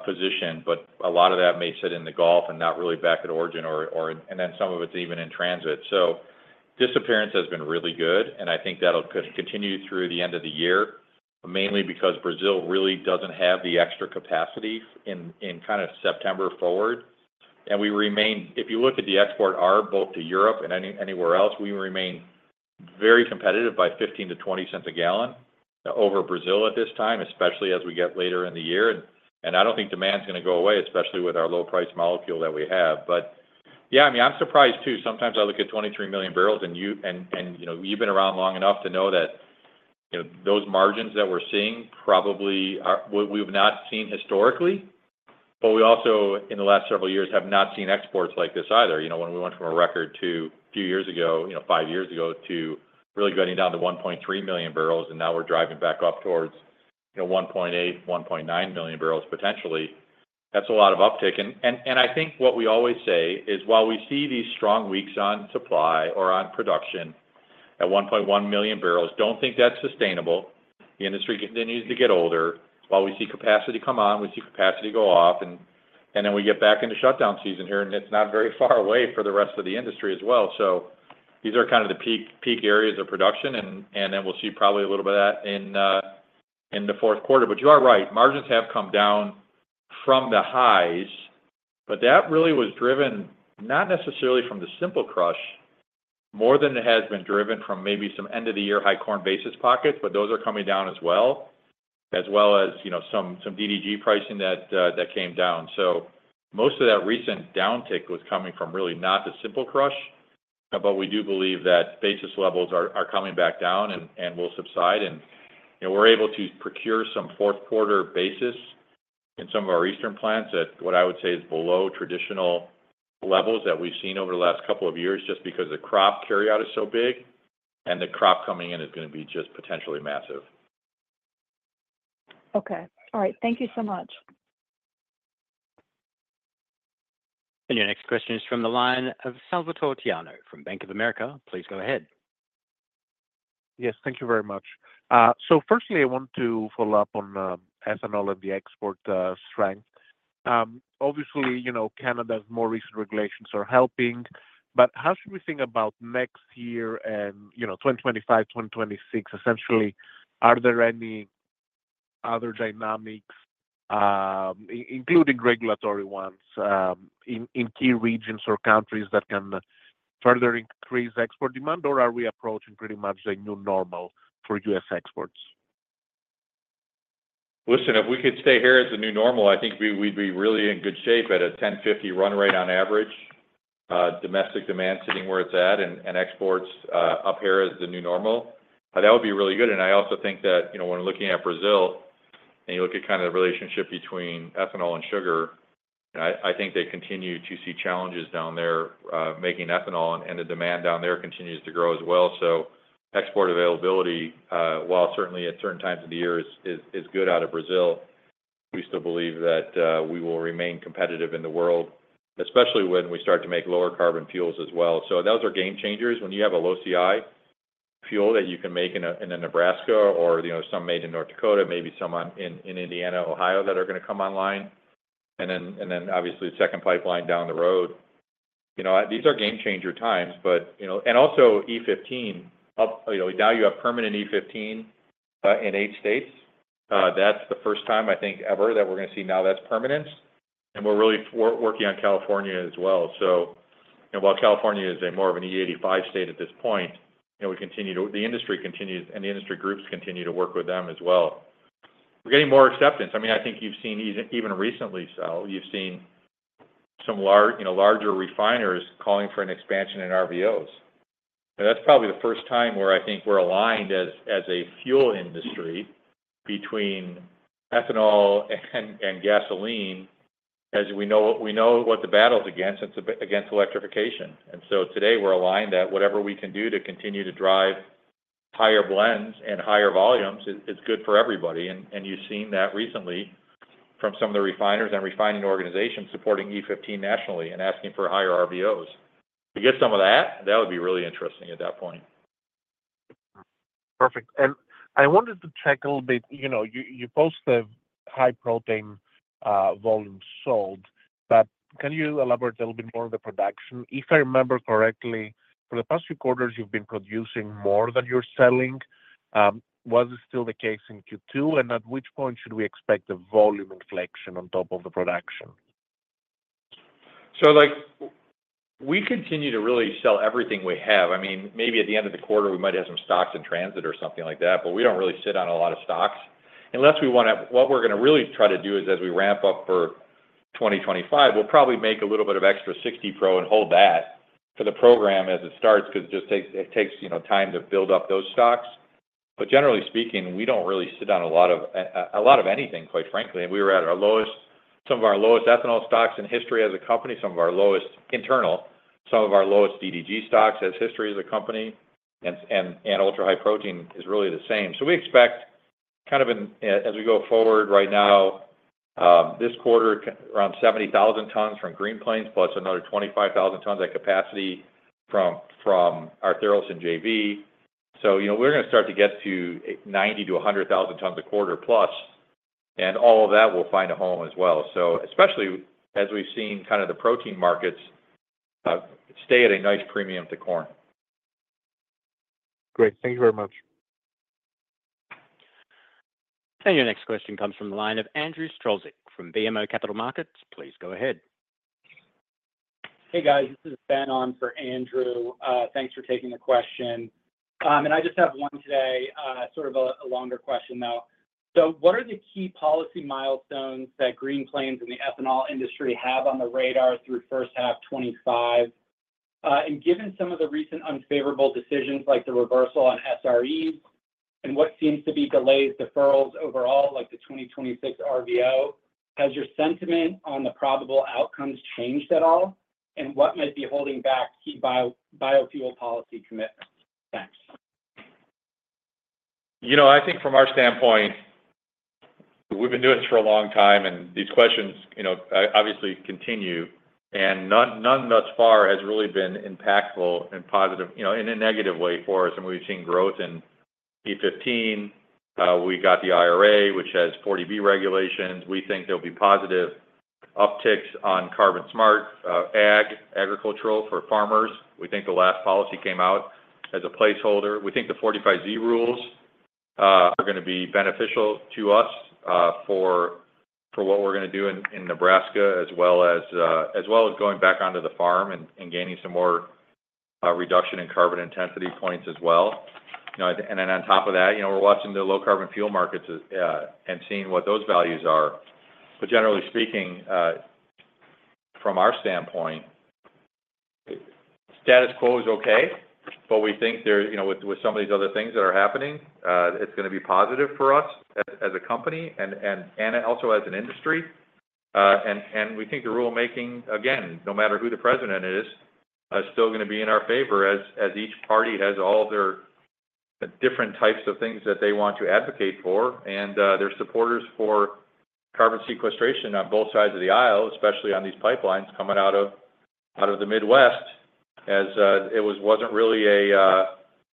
position, but a lot of that may sit in the Gulf and not really back at origin or and then some of it's even in transit. Disappearance has been really good, and I think that'll continue through the end of the year, mainly because Brazil really doesn't have the extra capacity in kind of September forward. And we remain. If you look at the export R, both to Europe and anywhere else, we remain very competitive by $0.15-$0.20 a gallon over Brazil at this time, especially as we get later in the year. And I don't think demand is gonna go away, especially with our low price molecule that we have. But yeah, I mean, I'm surprised too. Sometimes I look at 23 million bbl, and you and, you know, you've been around long enough to know that, you know, those margins that we're seeing probably are we, we've not seen historically, but we also, in the last several years, have not seen exports like this either. You know, when we went from a record to a few years ago, you know, five years ago, to really getting down to 1.3 million bbl, and now we're driving back up towards... you know, 1.8, 1.9 million bbl potentially, that's a lot of uptick. And, and, and I think what we always say is, while we see these strong weeks on supply or on production at 1.1 million barrels, don't think that's sustainable. The industry needs to get older. While we see capacity come on, we see capacity go off, and, and then we get back into shutdown season here, and it's not very far away for the rest of the industry as well. These are kind of the peak areas of production, and then we'll see probably a little bit of that in the fourth quarter. But you are right, margins have come down from the highs, but that really was driven not necessarily from the simple crush, more than it has been driven from maybe some end-of-the-year high corn basis pockets, but those are coming down as well. As well as, you know, some DDG pricing that came down. So most of that recent downtick was coming from really not the simple crush, but we do believe that basis levels are coming back down and will subside. You know, we're able to procure some fourth quarter basis in some of our eastern plants at what I would say is below traditional levels that we've seen over the last couple of years, just because the crop carryout is so big, and the crop coming in is going to be just potentially massive. Okay. All right. Thank you so much. Your next question is from the line of Salvatore Tiano from Bank of America. Please go ahead. Yes, thank you very much. So firstly, I want to follow up on ethanol and the export strength. Obviously, you know, Canada's more recent regulations are helping, but how should we think about next year and, you know, 2025, 2026? Essentially, are there any other dynamics, including regulatory ones, in key regions or countries that can further increase export demand, or are we approaching pretty much a new normal for U.S. exports? Listen, if we could stay here as the new normal, I think we'd be really in good shape at a $10.50 run rate on average. Domestic demand sitting where it's at, and exports up here as the new normal. But that would be really good, and I also think that, you know, when looking at Brazil, and you look at kind of the relationship between ethanol and sugar, and I think they continue to see challenges down there making ethanol, and the demand down there continues to grow as well. So export availability, while certainly at certain times of the year is good out of Brazil, we still believe that we will remain competitive in the world, especially when we start to make lower carbon fuels as well. So those are game changers. When you have a low CI fuel that you can make in a Nebraska or, you know, some made in North Dakota, maybe some in Indiana, Ohio, that are going to come online, and then obviously the second pipeline down the road, you know, these are game changer times. But you know. And also E15, you know, now you have permanent E15 in 8 states. That's the first time, I think, ever, that we're going to see now that's permanent, and we're really working on California as well. So you know, while California is more of an E85 state at this point, you know, we continue to—the industry continues, and the industry groups continue to work with them as well. We're getting more acceptance. I mean, I think you've seen even, even recently, Sal, you've seen some large, you know, larger refiners calling for an expansion in RVOs. And that's probably the first time where I think we're aligned as, as a fuel industry between ethanol and, and gasoline, as we know what we know what the battle's against, it's against electrification. And so today, we're aligned that whatever we can do to continue to drive higher blends and higher volumes is, is good for everybody. And, and you've seen that recently from some of the refiners and refining organizations supporting E15 nationally and asking for higher RVOs. To get some of that, that would be really interesting at that point. Perfect. I wanted to check a little bit, you know, you post the high-protein volume sold, but can you elaborate a little bit more on the production? If I remember correctly, for the past few quarters, you've been producing more than you're selling. Was it still the case in Q2, and at which point should we expect a volume inflection on top of the production? Like, we continue to really sell everything we have. I mean, maybe at the end of the quarter, we might have some stocks in transit or something like that, but we don't really sit on a lot of stocks unless we want to. What we're going to really try to do is, as we ramp up for 2025, we'll probably make a little bit of extra 60 Pro and hold that for the program as it starts, because it just takes, you know, time to build up those stocks. But generally speaking, we don't really sit on a lot of a lot of anything, quite frankly. We were at our lowest—some of our lowest ethanol stocks in history as a company, some of our lowest internal, some of our lowest DDGS stocks in history as a company, and Ultra-High Protein is really the same. So we expect kind of in, as we go forward right now, this quarter, around 70,000 tons from Green Plains, plus another 25,000 tons of capacity from our Tharaldson JV. So, you know, we're going to start to get to 90,000-100,000 tons a quarter plus, and all of that will find a home as well. So especially as we've seen kind of the protein markets stay at a nice premium to corn. Great. Thank you very much. Your next question comes from the line of Andrew Strelzik from BMO Capital Markets. Please go ahead. Hey, guys, this is Ben on for Andrew. Thanks for taking the question. And I just have one today, sort of a longer question, though. So what are the key policy milestones that Green Plains and the ethanol industry have on the radar through first half 2025? And given some of the recent unfavorable decisions, like the reversal on SREs and what seems to be delays, deferrals overall, like the 2026 RVO, has your sentiment on the probable outcomes changed at all? And what might be holding back key biofuel policy commitments? Thanks. You know, I think from our standpoint, we've been doing this for a long time, and these questions, you know, obviously continue, and none, none thus far has really been impactful and positive, you know, in a negative way for us, and we've seen growth in E15. We got the IRA, which has 40B regulations. We think there'll be positive upticks on carbon smart ag agricultural for farmers. We think the last policy came out as a placeholder. We think the 45Z rules are gonna be beneficial to us, for what we're gonna do in Nebraska, as well as, as well as going back onto the farm and, and gaining some more reduction in carbon intensity points as well. You know, and then on top of that, you know, we're watching the low carbon fuel markets as and seeing what those values are. But generally speaking, from our standpoint, status quo is okay, but we think there, you know, with, with some of these other things that are happening, it's gonna be positive for us as, as a company and, and, and also as an industry. And, and we think the rulemaking, again, no matter who the president is, still gonna be in our favor, as, as each party has all their different types of things that they want to advocate for. There's supporters for carbon sequestration on both sides of the aisle, especially on these pipelines coming out of, out of the Midwest, as, it wasn't really a,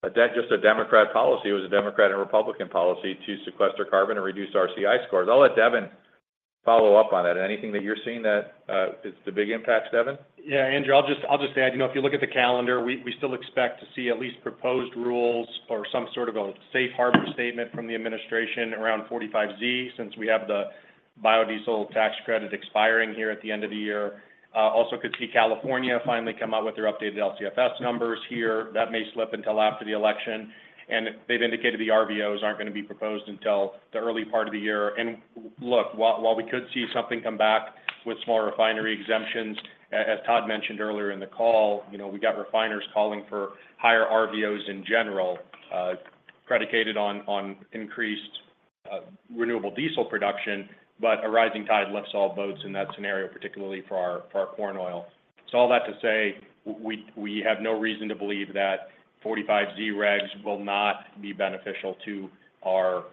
a dem just a Democrat policy. It was a Democrat and Republican policy to sequester carbon and reduce RCI scores. I'll let Devin follow up on that. Anything that you're seeing that is the big impact, Devin? Yeah, Andrew, I'll just add, you know, if you look at the calendar, we still expect to see at least proposed rules or some sort of a safe harbor statement from the administration around 45Z, since we have the biodiesel tax credit expiring here at the end of the year. Also could see California finally come out with their updated LCFS numbers here. That may slip until after the election, and they've indicated the RVOs aren't gonna be proposed until the early part of the year. Look, while we could see something come back with small refinery exemptions, as Todd mentioned earlier in the call, you know, we got refiners calling for higher RVOs in general, predicated on increased renewable diesel production, but a rising tide lifts all boats in that scenario, particularly for our corn oil. So all that to say, we have no reason to believe that 45Z regs will not be beneficial to our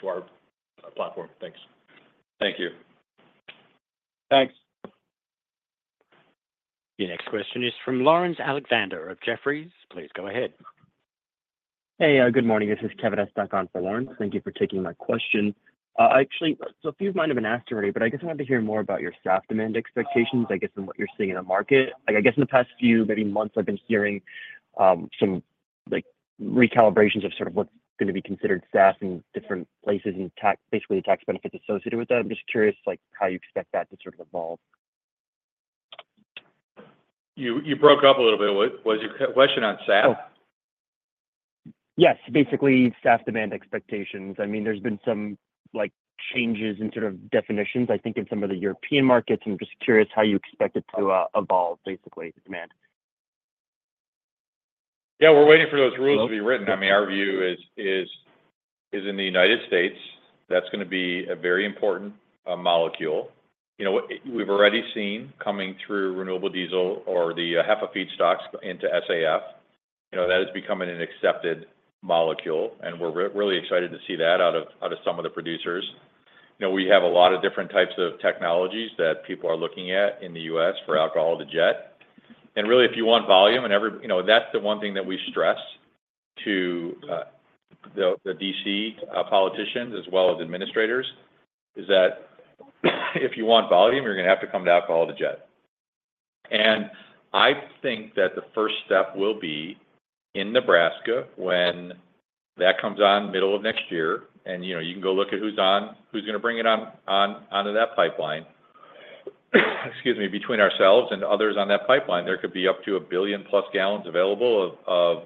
platform. Thanks. Thank you. Thanks. Your next question is from Lawrence Alexander of Jefferies. Please go ahead. Hey, good morning. This is Kevin Estok on for Lawrence. Thank you for taking my question. Actually, so a few might have been asked already, but I just wanted to hear more about your SAF demand expectations, I guess, and what you're seeing in the market. Like, I guess in the past few, maybe months, I've been hearing some, like, recalibrations of sort of what's gonna be considered SAF in different places and tax, basically, the tax benefits associated with that. I'm just curious, like, how you expect that to sort of evolve. You, you broke up a little bit. What - was your question on SAF? Yes. Basically, staff demand expectations. I mean, there's been some, like, changes in sort of definitions, I think, in some of the European markets, and I'm just curious how you expect it to evolve, basically, the demand. Yeah, we're waiting for those rules to be written. I mean, our view is in the United States, that's gonna be a very important molecule. You know, what we've already seen coming through renewable diesel or the HEFA feedstocks into SAF, you know, that is becoming an accepted molecule, and we're really excited to see that out of some of the producers. You know, we have a lot of different types of technologies that people are looking at in the US for alcohol-to-jet. And really, if you want volume and every... You know, that's the one thing that we stress to the D.C. politicians as well as administrators, is that if you want volume, you're gonna have to come to alcohol-to-jet. I think that the first step will be in Nebraska when that comes on middle of next year, and, you know, you can go look at who's on, who's gonna bring it on onto that pipeline. Excuse me. Between ourselves and others on that pipeline, there could be up to 1 billion + gallons available of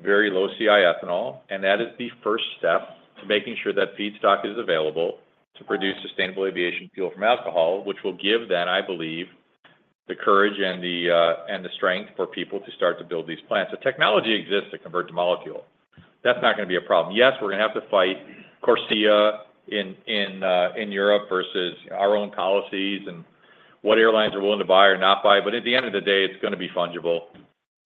very low CI ethanol, and that is the first step to making sure that feedstock is available to produce sustainable aviation fuel from alcohol, which will give then, I believe, the courage and the strength for people to start to build these plants. The technology exists to convert to molecule. That's not gonna be a problem. Yes, we're gonna have to fight, of CORSIA in Europe versus our own policies and what airlines are willing to buy or not buy, but at the end of the day, it's gonna be fungible,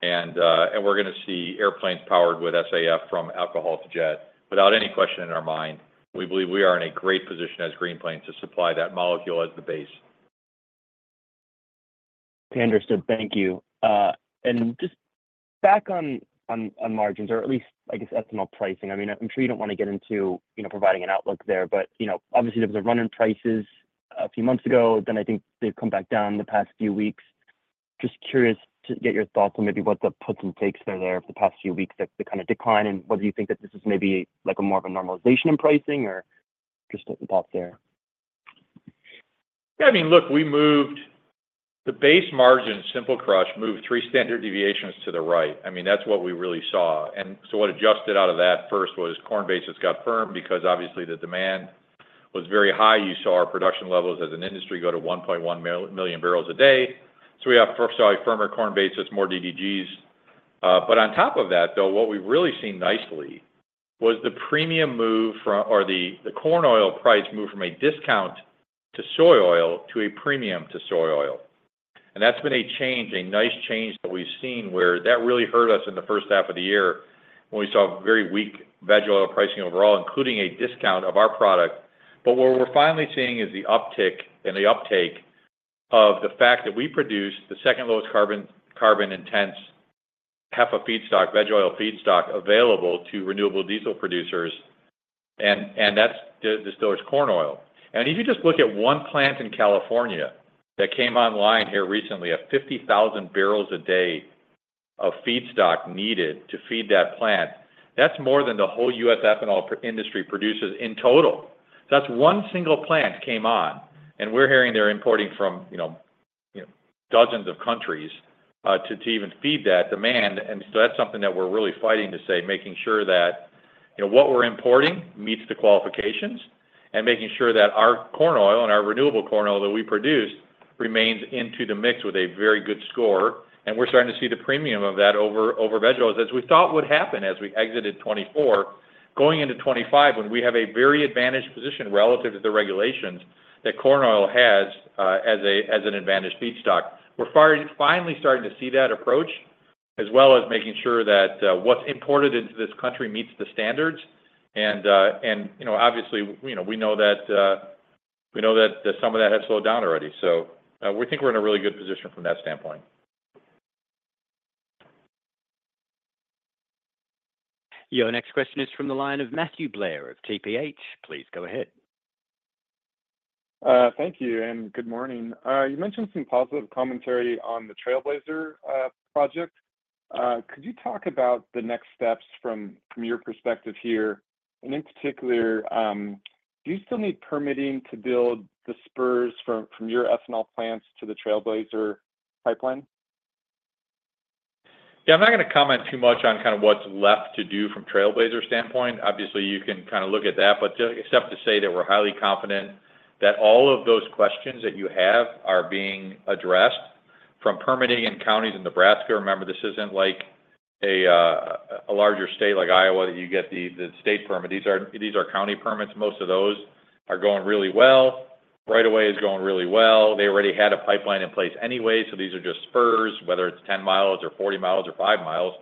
and we're gonna see airplanes powered with SAF from alcohol to jet. Without any question in our mind, we believe we are in a great position as Green Plains to supply that molecule as the base. Understood. Thank you. And just back on margins, or at least I guess ethanol pricing, I mean, I'm sure you don't wanna get into, you know, providing an outlook there, but, you know, obviously, there was a run in prices a few months ago, then I think they've come back down in the past few weeks. Just curious to get your thoughts on maybe what the puts and takes are there for the past few weeks, the kind of decline, and whether you think that this is maybe, like, a more of a normalization in pricing or just your thoughts there. Yeah, I mean, look, we moved, the base margin, simple crush, moved three standard deviations to the right. I mean, that's what we really saw. And so what adjusted out of that first was corn bases got firm because obviously the demand was very high. You saw our production levels as an industry go to 1.1 MMbpd. So we have first, a firmer corn base, that's more DDGs. But on top of that, though, what we've really seen nicely was the premium move from, or the, the corn oil price moved from a discount to soy oil to a premium to soy oil. And that's been a change, a nice change that we've seen, where that really hurt us in the first half of the year, when we saw very weak veg oil pricing overall, including a discount of our product. What we're finally seeing is the uptick and the uptake of the fact that we produce the second lowest carbon-intensive HEFA feedstock, veg oil feedstock, available to renewable diesel producers, and, and that's the distillers corn oil. And if you just look at one plant in California that came online here recently, at 50,000 barrels a day of feedstock needed to feed that plant, that's more than the whole U.S. ethanol industry produces in total. That's one single plant came on, and we're hearing they're importing from, you know, you know, dozens of countries, to even feed that demand. That's something that we're really fighting to say, making sure that, you know, what we're importing meets the qualifications, and making sure that our corn oil and our renewable corn oil that we produce remains into the mix with a very good score. We're starting to see the premium of that over veg oils, as we thought would happen as we exited 2024, going into 2025, when we have a very advantaged position relative to the regulations that corn oil has as an advantage feedstock. We're finally starting to see that approach, as well as making sure that what's imported into this country meets the standards. And, you know, obviously, you know, we know that some of that has slowed down already. We think we're in a really good position from that standpoint. Your next question is from the line of Matthew Blair of TPH. Please go ahead. Thank you, and good morning. You mentioned some positive commentary on the Trailblazer project. Could you talk about the next steps from your perspective here? In particular, do you still need permitting to build the spurs from your ethanol plants to the Trailblazer pipeline? Yeah, I'm not gonna comment too much on kind of what's left to do from Trailblazer standpoint. Obviously, you can kinda look at that, but just except to say that we're highly confident that all of those questions that you have are being addressed from permitting in counties in Nebraska. Remember, this isn't like a larger state like Iowa, that you get the state permit. These are county permits. Most of those are going really well. Right of way is going really well. They already had a pipeline in place anyway, so these are just spurs, whether it's 10 mi or 40 mi or 5 mi.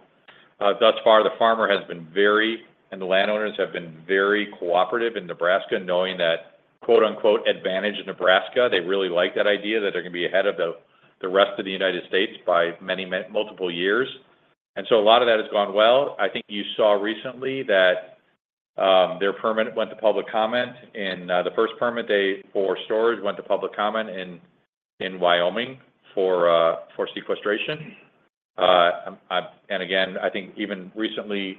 Thus far, the farmer has been very and the landowners have been very cooperative in Nebraska, knowing that, quote-unquote, "Advantage Nebraska," they really like that idea, that they're gonna be ahead of the, the rest of the United States by many multiple years. And so a lot of that has gone well. I think you saw recently that their permit went to public comment, and the first permit for storage went to public comment in Wyoming for sequestration. And again, I think even recently,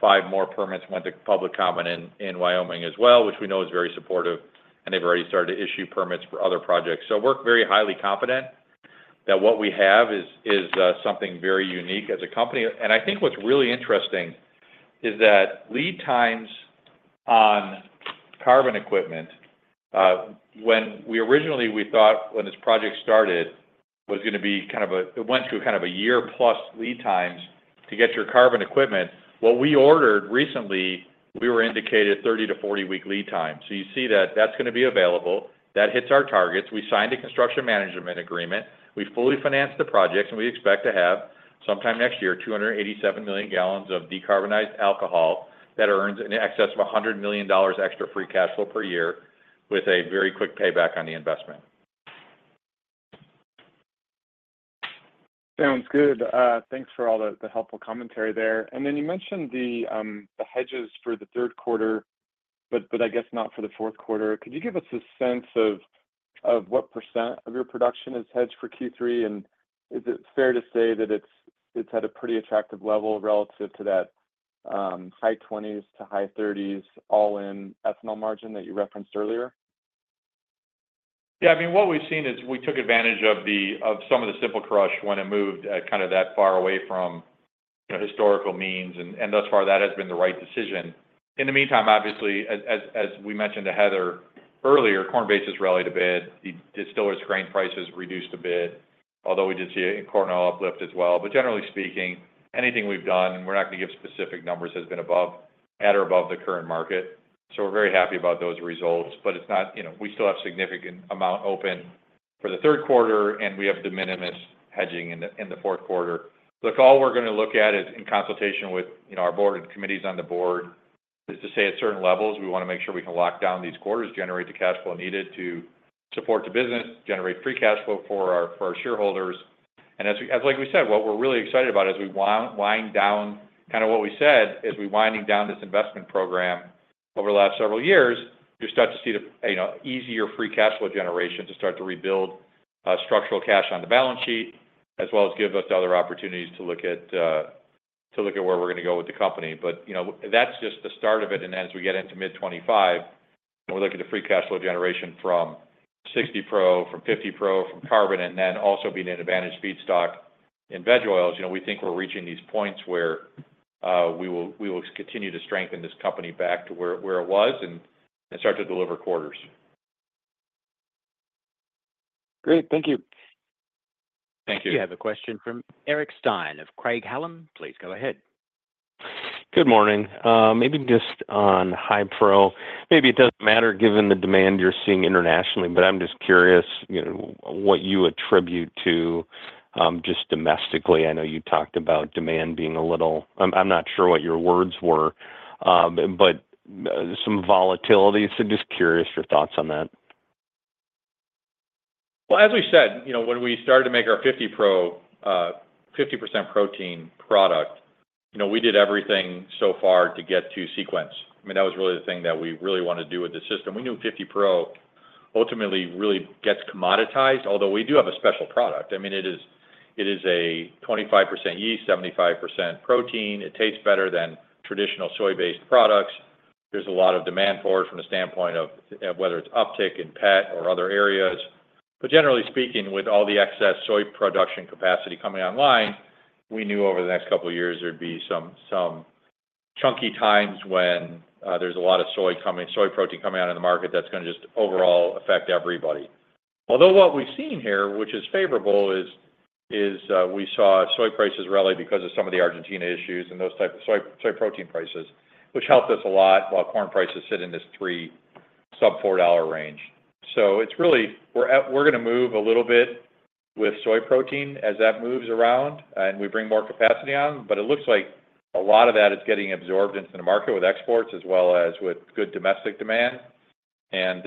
five more permits went to public comment in Wyoming as well, which we know is very supportive, and they've already started to issue permits for other projects. So we're very highly confident that what we have is something very unique as a company. I think what's really interesting is that lead times on carbon equipment, when we originally thought when this project started, was gonna be kind of a—it went through kind of a year + lead times to get your carbon equipment. What we ordered recently, we were indicated 30- to 40-week lead time. So you see that that's gonna be available. That hits our targets. We signed a construction management agreement. We fully financed the projects, and we expect to have, sometime next year, 287 million gallons of decarbonized alcohol that earns in excess of $100 million extra free cash flow per year, with a very quick payback on the investment. Sounds good. Thanks for all the helpful commentary there. And then you mentioned the hedges for the third quarter, but I guess not for the fourth quarter. Could you give us a sense of what percent of your production is hedged for Q3? And is it fair to say that it's at a pretty attractive level relative to that high twenties to high thirties, all in ethanol margin that you referenced earlier? Yeah, I mean, what we've seen is we took advantage of the of some of the simple crush when it moved kind of that far away from, you know, historical means, and thus far, that has been the right decision. In the meantime, obviously, as we mentioned to Heather earlier, corn base has rallied a bit. The distillers' grain prices reduced a bit, although we did see a corn oil uplift as well. But generally speaking, anything we've done, we're not gonna give specific numbers, has been above, at or above the current market, so we're very happy about those results. But it's not, you know, we still have significant amount open for the third quarter, and we have de minimis hedging in the fourth quarter. Look, all we're gonna look at is in consultation with, you know, our board and committees on the board, is to say, at certain levels, we wanna make sure we can lock down these quarters, generate the cash flow needed to support the business, generate free cash flow for our—for our shareholders. And as we—as like we said, what we're really excited about as we wind, wind down. Kinda what we said, is we're winding down this investment program over the last several years. You'll start to see the, you know, easier free cash flow generation to start to rebuild, structural cash on the balance sheet, as well as give us other opportunities to look at, to look at where we're gonna go with the company. But, you know, that's just the start of it. As we get into mid-2025, and we're looking at free cash flow generation from 60 Pro, from 50 Pro, from carbon, and then also being an advantage feedstock in veg oils, you know, we think we're reaching these points where we will, we will continue to strengthen this company back to where, where it was and, and start to deliver quarters. Great. Thank you. Thank you. You have a question from Eric Stine of Craig-Hallum. Please go ahead. Good morning. Maybe just on HiPro. Maybe it doesn't matter, given the demand you're seeing internationally, but I'm just curious, you know, what you attribute to just domestically. I know you talked about demand being a little-- I'm not sure what your words were, but some volatility. So just curious your thoughts on that. Well, as we said, you know, when we started to make our 50 Pro, 50% protein product, you know, we did everything so far to get to Sequence. I mean, that was really the thing that we really wanted to do with the system. We knew 50 Pro ultimately really gets commoditized, although we do have a special product. I mean, it is, it is a 25% yeast, 75% protein. It tastes better than traditional soy-based products. There's a lot of demand for it from the standpoint of, of whether it's uptick in pet or other areas. But generally speaking, with all the excess soy production capacity coming online, we knew over the next couple of years there'd be some, some chunky times when, there's a lot of soy coming, soy protein coming out in the market that's gonna just overall affect everybody. Although what we've seen here, which is favorable, we saw soy prices rally because of some of the Argentina issues and those type of soy protein prices, which helped us a lot, while corn prices sit in this $3 sub-$4 range. So it's really-- we're at-- we're gonna move a little bit with soy protein as that moves around and we bring more capacity on. But it looks like a lot of that is getting absorbed into the market with exports as well as with good domestic demand. And,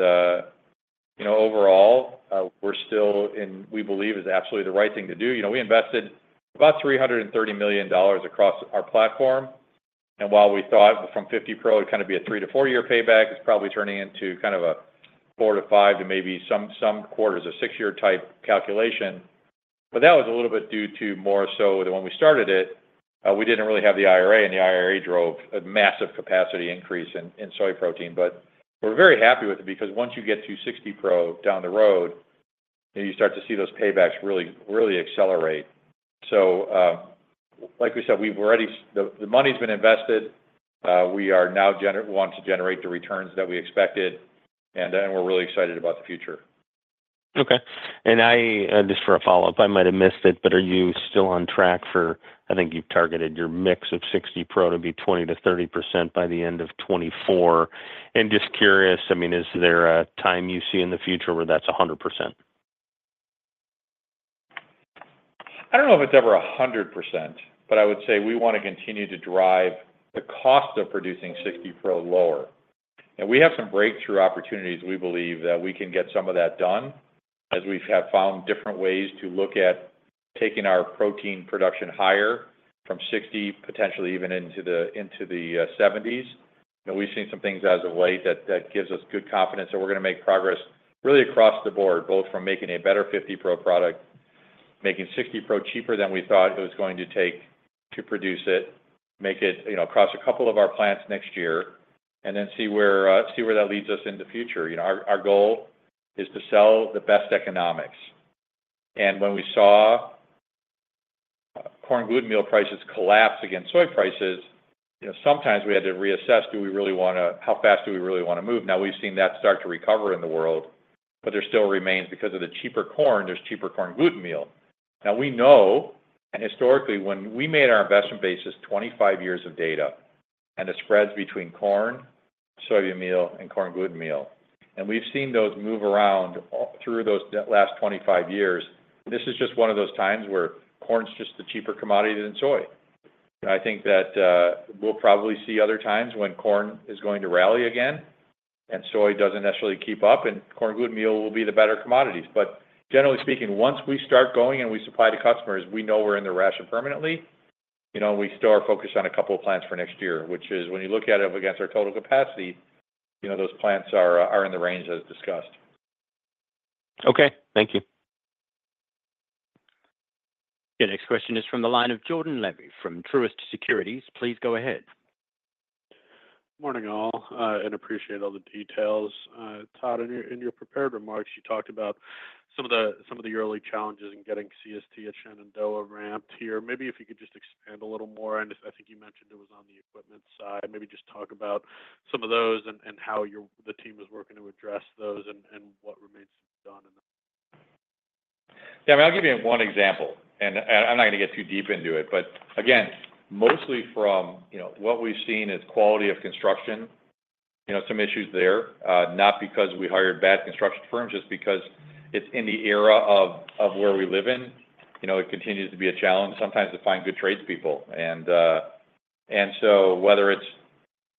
you know, overall, we're still in-- we believe is absolutely the right thing to do. You know, we invested about $330 million across our platform, and while we thought from 50 Pro, it'd kind of be a three to four year payback, it's probably turning into kind of a four to five and maybe some quarters, a six year type calculation. But that was a little bit due to more so than when we started it. We didn't really have the IRA, and the IRA drove a massive capacity increase in soy protein. But we're very happy with it, because once you get to 60 Pro down the road, then you start to see those paybacks really, really accelerate. So, like we said, we've already, the money's been invested. We are now generating the returns that we expected, and we're really excited about the future. Okay. And just for a follow-up, I might have missed it, but are you still on track for, I think you've targeted your mix of 60 Pro to be 20%-30% by the end of 2024. And just curious, I mean, is there a time you see in the future where that's 100%? I don't know if it's ever 100%, but I would say we want to continue to drive the cost of producing 60 Pro lower. We have some breakthrough opportunities. We believe that we can get some of that done, as we have found different ways to look at taking our protein production higher from 60, potentially even into the 70s. We've seen some things as of late that gives us good confidence that we're gonna make progress really across the board, both from making a better 50 Pro product, making 60 Pro cheaper than we thought it was going to take to produce it, make it, you know, across a couple of our plants next year, and then see where that leads us in the future. You know, our goal is to sell the best economics. When we saw corn gluten meal prices collapse against soy prices, you know, sometimes we had to reassess, do we really wanna—how fast do we really wanna move? Now, we've seen that start to recover in the world, but there still remains because of the cheaper corn, there's cheaper corn gluten meal. Now, we know, and historically, when we made our investment basis 25 years of data and the spreads between corn, soybean meal, and corn gluten meal, and we've seen those move around all through those last 25 years. This is just one of those times where corn is just a cheaper commodity than soy. And I think that, we'll probably see other times when corn is going to rally again and soy doesn't necessarily keep up, and corn gluten meal will be the better commodities. But generally speaking, once we start going and we supply to customers, we know we're in the ration permanently. You know, we still are focused on a couple of plants for next year, which is when you look at it against our total capacity, you know, those plants are in the range as discussed. Okay. Thank you. Your next question is from the line of Jordan Levy from Truist Securities. Please go ahead. Morning, all, and appreciate all the details. Todd, in your prepared remarks, you talked about some of the early challenges in getting CST at Shenandoah ramped here. Maybe if you could just expand a little more, and I think you mentioned it was on the equipment side. Maybe just talk about some of those and how the team is working to address those and what remains to be done. Yeah, I mean, I'll give you one example, and I'm not gonna get too deep into it. But again, mostly from, you know, what we've seen is quality of construction. You know, some issues there, not because we hired bad construction firms, just because it's in the era of where we live in. You know, it continues to be a challenge sometimes to find good trades people. And so whether it's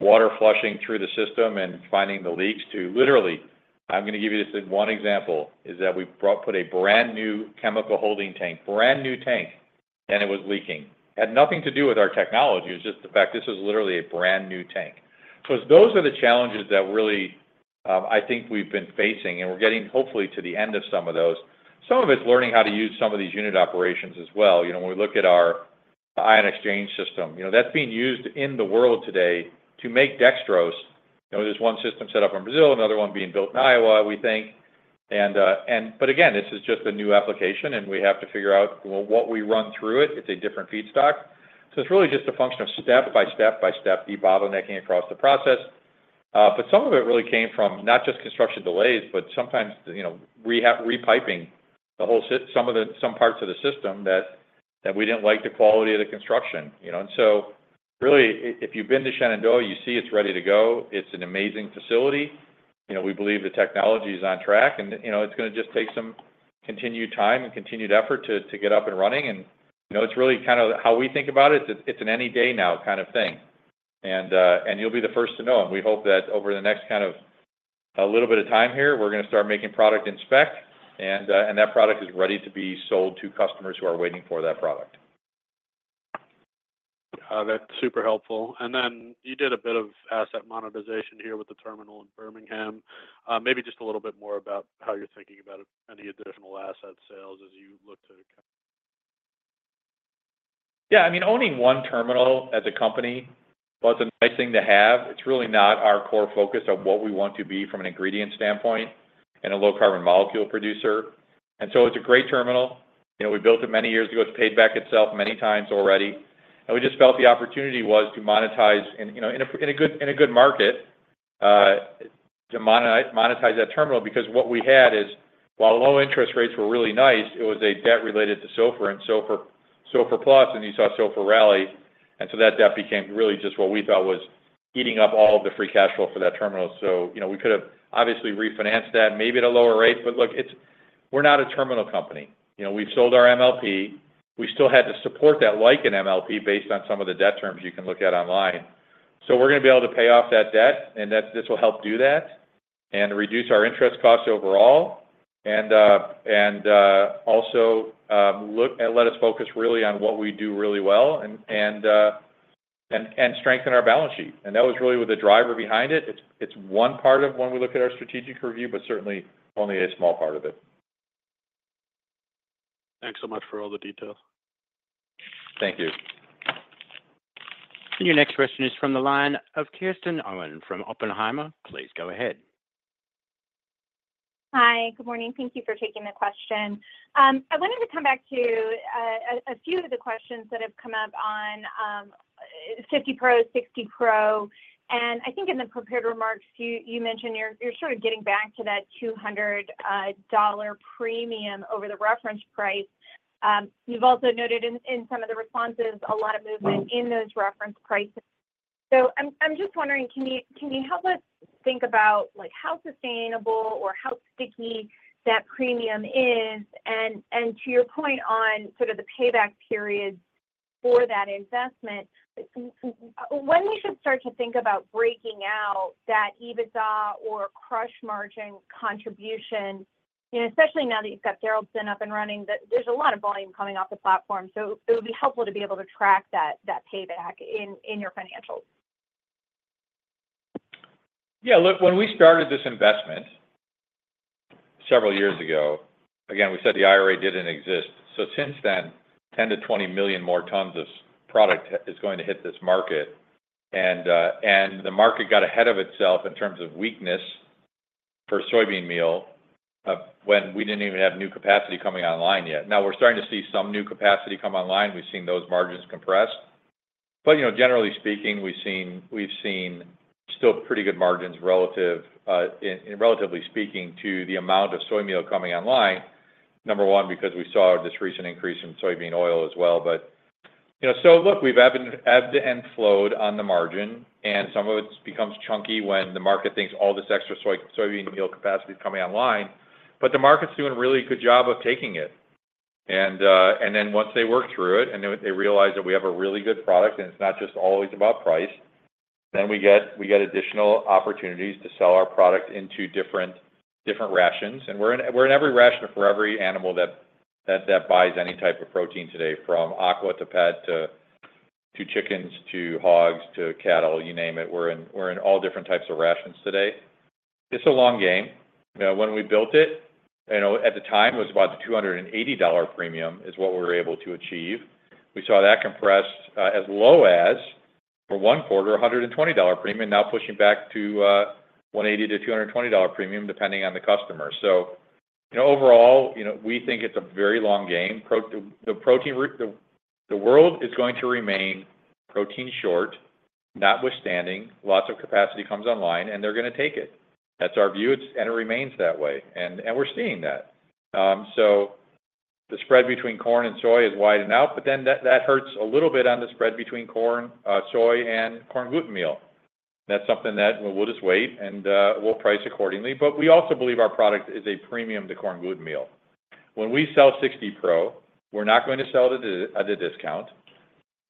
water flushing through the system and finding the leaks to literally, I'm gonna give you this in one example, is that we put a brand-new chemical holding tank, brand-new tank, and it was leaking. Had nothing to do with our technology. It was just the fact this was literally a brand-new tank. Those are the challenges that really, I think we've been facing, and we're getting, hopefully, to the end of some of those. Some of it's learning how to use some of these unit operations as well. You know, when we look at our ion exchange system, you know, that's being used in the world today to make dextrose. You know, there's one system set up in Brazil, another one being built in Iowa, we think. And but again, this is just a new application, and we have to figure out, well, what we run through it. It's a different feedstock. So it's really just a function of step by step by step, debottlenecking across the process.... Some of it really came from not just construction delays, but sometimes, you know, rehabbing, re-piping the whole system, some parts of the system that we didn't like the quality of the construction, you know? And so really, if you've been to Shenandoah, you see it's ready to go. It's an amazing facility. You know, we believe the technology is on track, You know, it's gonna just take some continued time and continued effort to get up and running. And, you know, it's really kind of how we think about it, it's an any day now kind of thing. And you'll be the first to know. We hope that over the next kind of a little bit of time here, we're gonna start making product in spec, and that product is ready to be sold to customers who are waiting for that product. That's super helpful. And then you did a bit of asset monetization here with the terminal in Birmingham. Maybe just a little bit more about how you're thinking about any additional asset sales as you look... Yeah, I mean, owning one terminal as a company, while it's a nice thing to have, it's really not our core focus of what we want to be from an ingredient standpoint and a low-carbon molecule producer. And so it's a great terminal. You know, we built it many years ago. It's paid back itself many times already. And we just felt the opportunity was to monetize, you know, in a good market, to monetize that terminal. Because what we had is, while the low interest rates were really nice, it was a debt related to SUL4R, and SUL4R-PLUS, and you saw SUL4R rally. And so that debt became really just what we thought was eating up all of the free cash flow for that terminal. You know, we could have obviously refinanced that maybe at a lower rate, but look, it's, we're not a terminal company. You know, we've sold our MLP. We still had to support that like an MLP based on some of the debt terms you can look at online. So we're gonna be able to pay off that debt, and that, this will help do that and reduce our interest costs overall, and also, look, let us focus really on what we do really well, and strengthen our balance sheet. And that was really the driver behind it. It's, it's one part of when we look at our strategic review, but certainly only a small part of it. Thanks so much for all the details. Thank you. Your next question is from the line of Kristen Owen from Oppenheimer. Please go ahead. Hi, good morning. Thank you for taking the question. I wanted to come back to a few of the questions that have come up on 50 Pro, 60 Pro. And I think in the prepared remarks, you mentioned you're sort of getting back to that $200 premium over the reference price. You've also noted in some of the responses, a lot of movement in those reference prices. I'm just wondering, can you help us think about, like, how sustainable or how sticky that premium is? To your point on sort of the payback period for that investment, when we should start to think about breaking out that EBITDA or crush margin contribution, you know, especially now that you've got Tharaldson up and running, that there's a lot of volume coming off the platform. So it would be helpful to be able to track that payback in your financials. Yeah, look, when we started this investment several years ago, again, we said the IRA didn't exist. So since then, 10-20 million more tons of product is going to hit this market. And the market got ahead of itself in terms of weakness for soybean meal, when we didn't even have new capacity coming online yet. Now, we're starting to see some new capacity come online. We've seen those margins compressed. But, you know, generally speaking, we've seen, we've seen still pretty good margins relative, in, relatively speaking, to the amount of soy meal coming online. Number one, because we saw this recent increase in soybean oil as well. You know, so look, we've ebbed and, ebbed and flowed on the margin, and some of it's becomes chunky when the market thinks all this extra soybean meal capacity is coming online, but the market's doing a really good job of taking it. And, and then once they work through it and they, they realize that we have a really good product and it's not just always about price, then we get, we get additional opportunities to sell our product into different, different rations. And we're in, we're in every ration for every animal that, that, that buys any type of protein today, from aqua to pet to, to chickens, to hogs, to cattle, you name it. We're in, we're in all different types of rations today. It's a long game. You know, when we built it, you know, at the time, it was about $280 premium is what we were able to achieve. We saw that compress as low as, for one quarter, $120 premium, now pushing back to $180-$220 premium, depending on the customer. So, you know, overall, you know, we think it's a very long game. The protein route, the world is going to remain protein short, notwithstanding, lots of capacity comes online, and they're gonna take it. That's our view, it's, and it remains that way, and we're seeing that. So the spread between corn and soy is widening out, but then that hurts a little bit on the spread between corn, soy and corn gluten meal. That's something that we'll just wait and we'll price accordingly. But we also believe our product is a premium to corn gluten meal. When we sell 60 Pro, we're not going to sell it at a discount.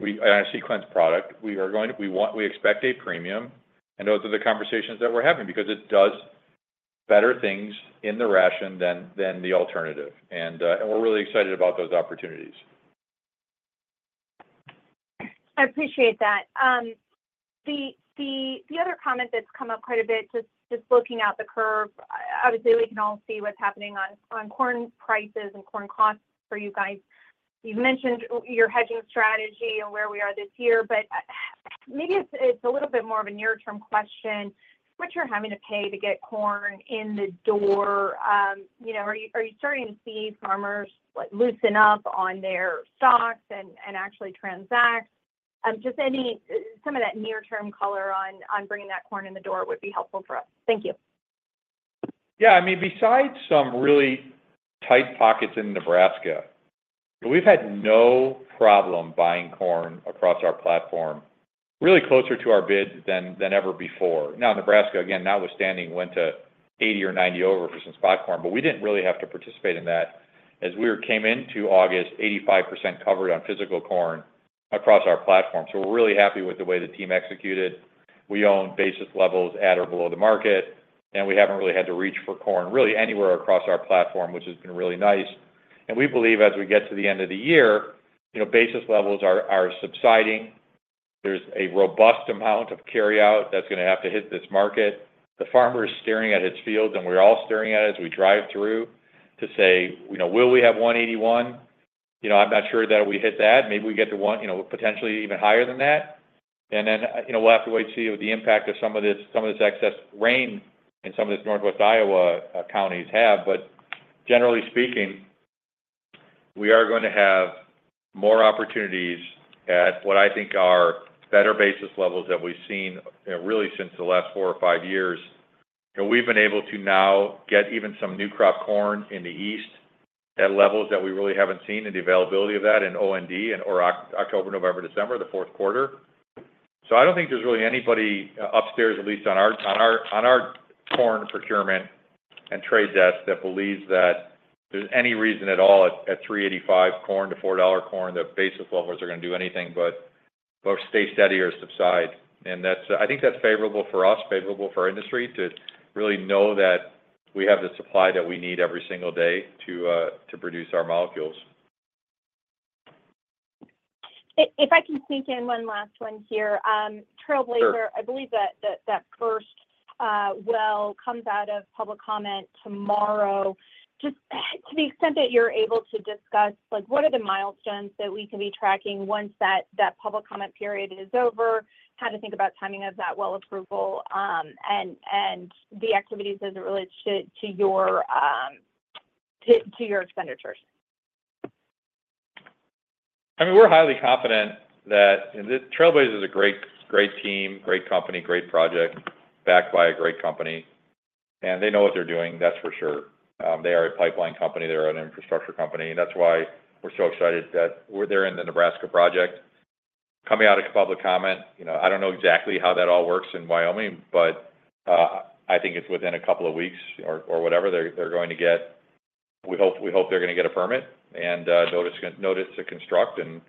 We are a Sequence product, we want—we expect a premium, and those are the conversations that we're having, because it does better things in the ration than the alternative. And we're really excited about those opportunities. I appreciate that. The other comment that's come up quite a bit, just looking at the curve, obviously, we can all see what's happening on corn prices and corn costs for you guys. You've mentioned your hedging strategy and where we are this year, but maybe it's a little bit more of a near-term question, what you're having to pay to get corn in the door. You know, are you starting to see farmers, like, loosen up on their stocks and actually transact? Just any, some of that near-term color on bringing that corn in the door would be helpful for us. Thank you. Yeah, I mean, besides some really tight pockets in Nebraska, we've had no problem buying corn across our platform, really closer to our bid than, than ever before. Now, Nebraska, again, notwithstanding, went to 80 or 90 over for some spot corn, but we didn't really have to participate in that, as we came into August, 85% covered on physical corn across our platform. So we're really happy with the way the team executed. We own basis levels at or below the market, and we haven't really had to reach for corn really anywhere across our platform, which has been really nice. And we believe as we get to the end of the year, you know, basis levels are, are subsiding. There's a robust amount of carryout that's gonna have to hit this market. The farmer is staring at its fields, and we're all staring at it as we drive through to say, you know, "Will we have 181?" You know, I'm not sure that we hit that. Maybe we get to one You know, potentially even higher than that. And then, you know, we'll have to wait to see what the impact of some of this, some of this excess rain in some of these northwest Iowa counties have. But generally speaking, we are going to have more opportunities at what I think are better basis levels than we've seen, really since the last four or five years. And we've been able to now get even some new crop corn in the east at levels that we really haven't seen, and the availability of that in OND, or October, November, December, the fourth quarter. I don't think there's really anybody upstairs, at least on our, on our, on our corn procurement and trade desk, that believes that there's any reason at all at $3.85 corn to $4 corn, that basis levels are gonna do anything but both stay steady or subside. And that's—I think that's favorable for us, favorable for our industry, to really know that we have the supply that we need every single day to produce our molecules. If I can sneak in one last one here. Trailblazer- Sure. I believe that first well comes out of public comment tomorrow. Just to the extent that you're able to discuss, like, what are the milestones that we can be tracking once that public comment period is over? How to think about timing of that well approval, and the activities as it relates to your expenditures? I mean, we're highly confident that the Trailblazer is a great, great team, great company, great project, backed by a great company, and they know what they're doing, that's for sure. They are a pipeline company, they're an infrastructure company, and that's why we're so excited that we're there in the Nebraska project. Coming out of public comment, you know, I don't know exactly how that all works in Wyoming, but I think it's within a couple of weeks or whatever, they're going to get we hope, we hope they're gonna get a permit and a notice to construct, and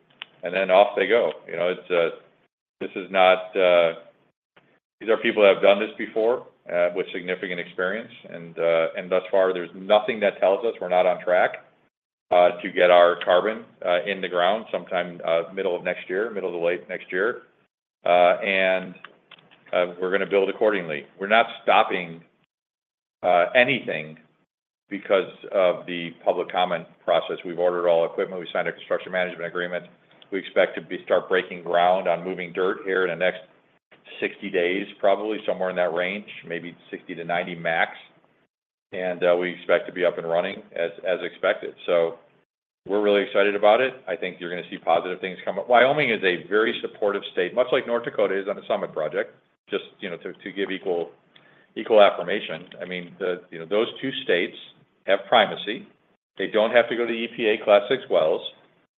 then off they go. You know, it's this is not... These are people that have done this before with significant experience, and thus far, there's nothing that tells us we're not on track to get our carbon in the ground sometime middle of next year, middle to late next year. We're gonna build accordingly. We're not stopping anything because of the public comment process. We've ordered all equipment. We signed a construction management agreement. We expect to start breaking ground on moving dirt here in the next 60 days, probably somewhere in that range, maybe 60 to 90 max. We expect to be up and running as expected. So we're really excited about it. I think you're gonna see positive things come up. Wyoming is a very supportive state, much like North Dakota is on the Summit project, just, you know, to, to give equal, equal affirmation. I mean, the, you know, those two states have primacy. They don't have to go to the EPA Class VI wells.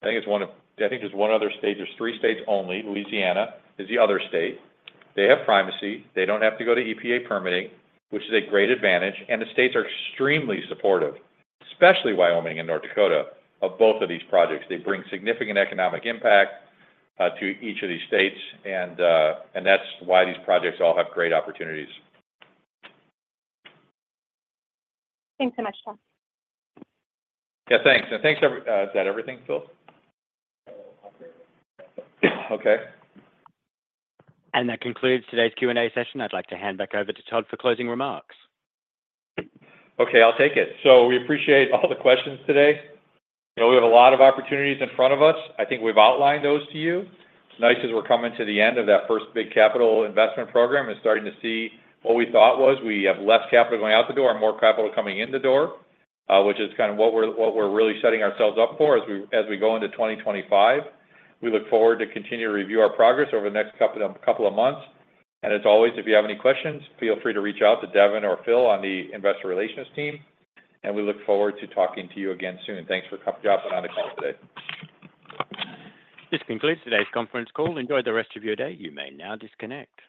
I think it's one of, I think there's one other state. There's three states only. Louisiana is the other state. They have primacy. They don't have to go to EPA permitting, which is a great advantage, and the states are extremely supportive, especially Wyoming and North Dakota, of both of these projects. They bring significant economic impact, to each of these states, and, and that's why these projects all have great opportunities. Thanks so much, Todd. Yeah, thanks. And thanks. Is that everything, Phil? Okay. That concludes today's Q&A session. I'd like to hand back over to Todd for closing remarks. Okay, I'll take it. So we appreciate all the questions today. You know, we have a lot of opportunities in front of us. I think we've outlined those to you. It's nice as we're coming to the end of that first big capital investment program and starting to see what we thought was. We have less capital going out the door and more capital coming in the door, which is kind of what we're, what we're really setting ourselves up for as we, as we go into 2025. We look forward to continuing to review our progress over the next couple of, couple of months. And as always, if you have any questions, feel free to reach out to Devin or Phil on the investor relations team, and we look forward to talking to you again soon. Thanks for hopping on the call today. This concludes today's conference call. Enjoy the rest of your day. You may now disconnect.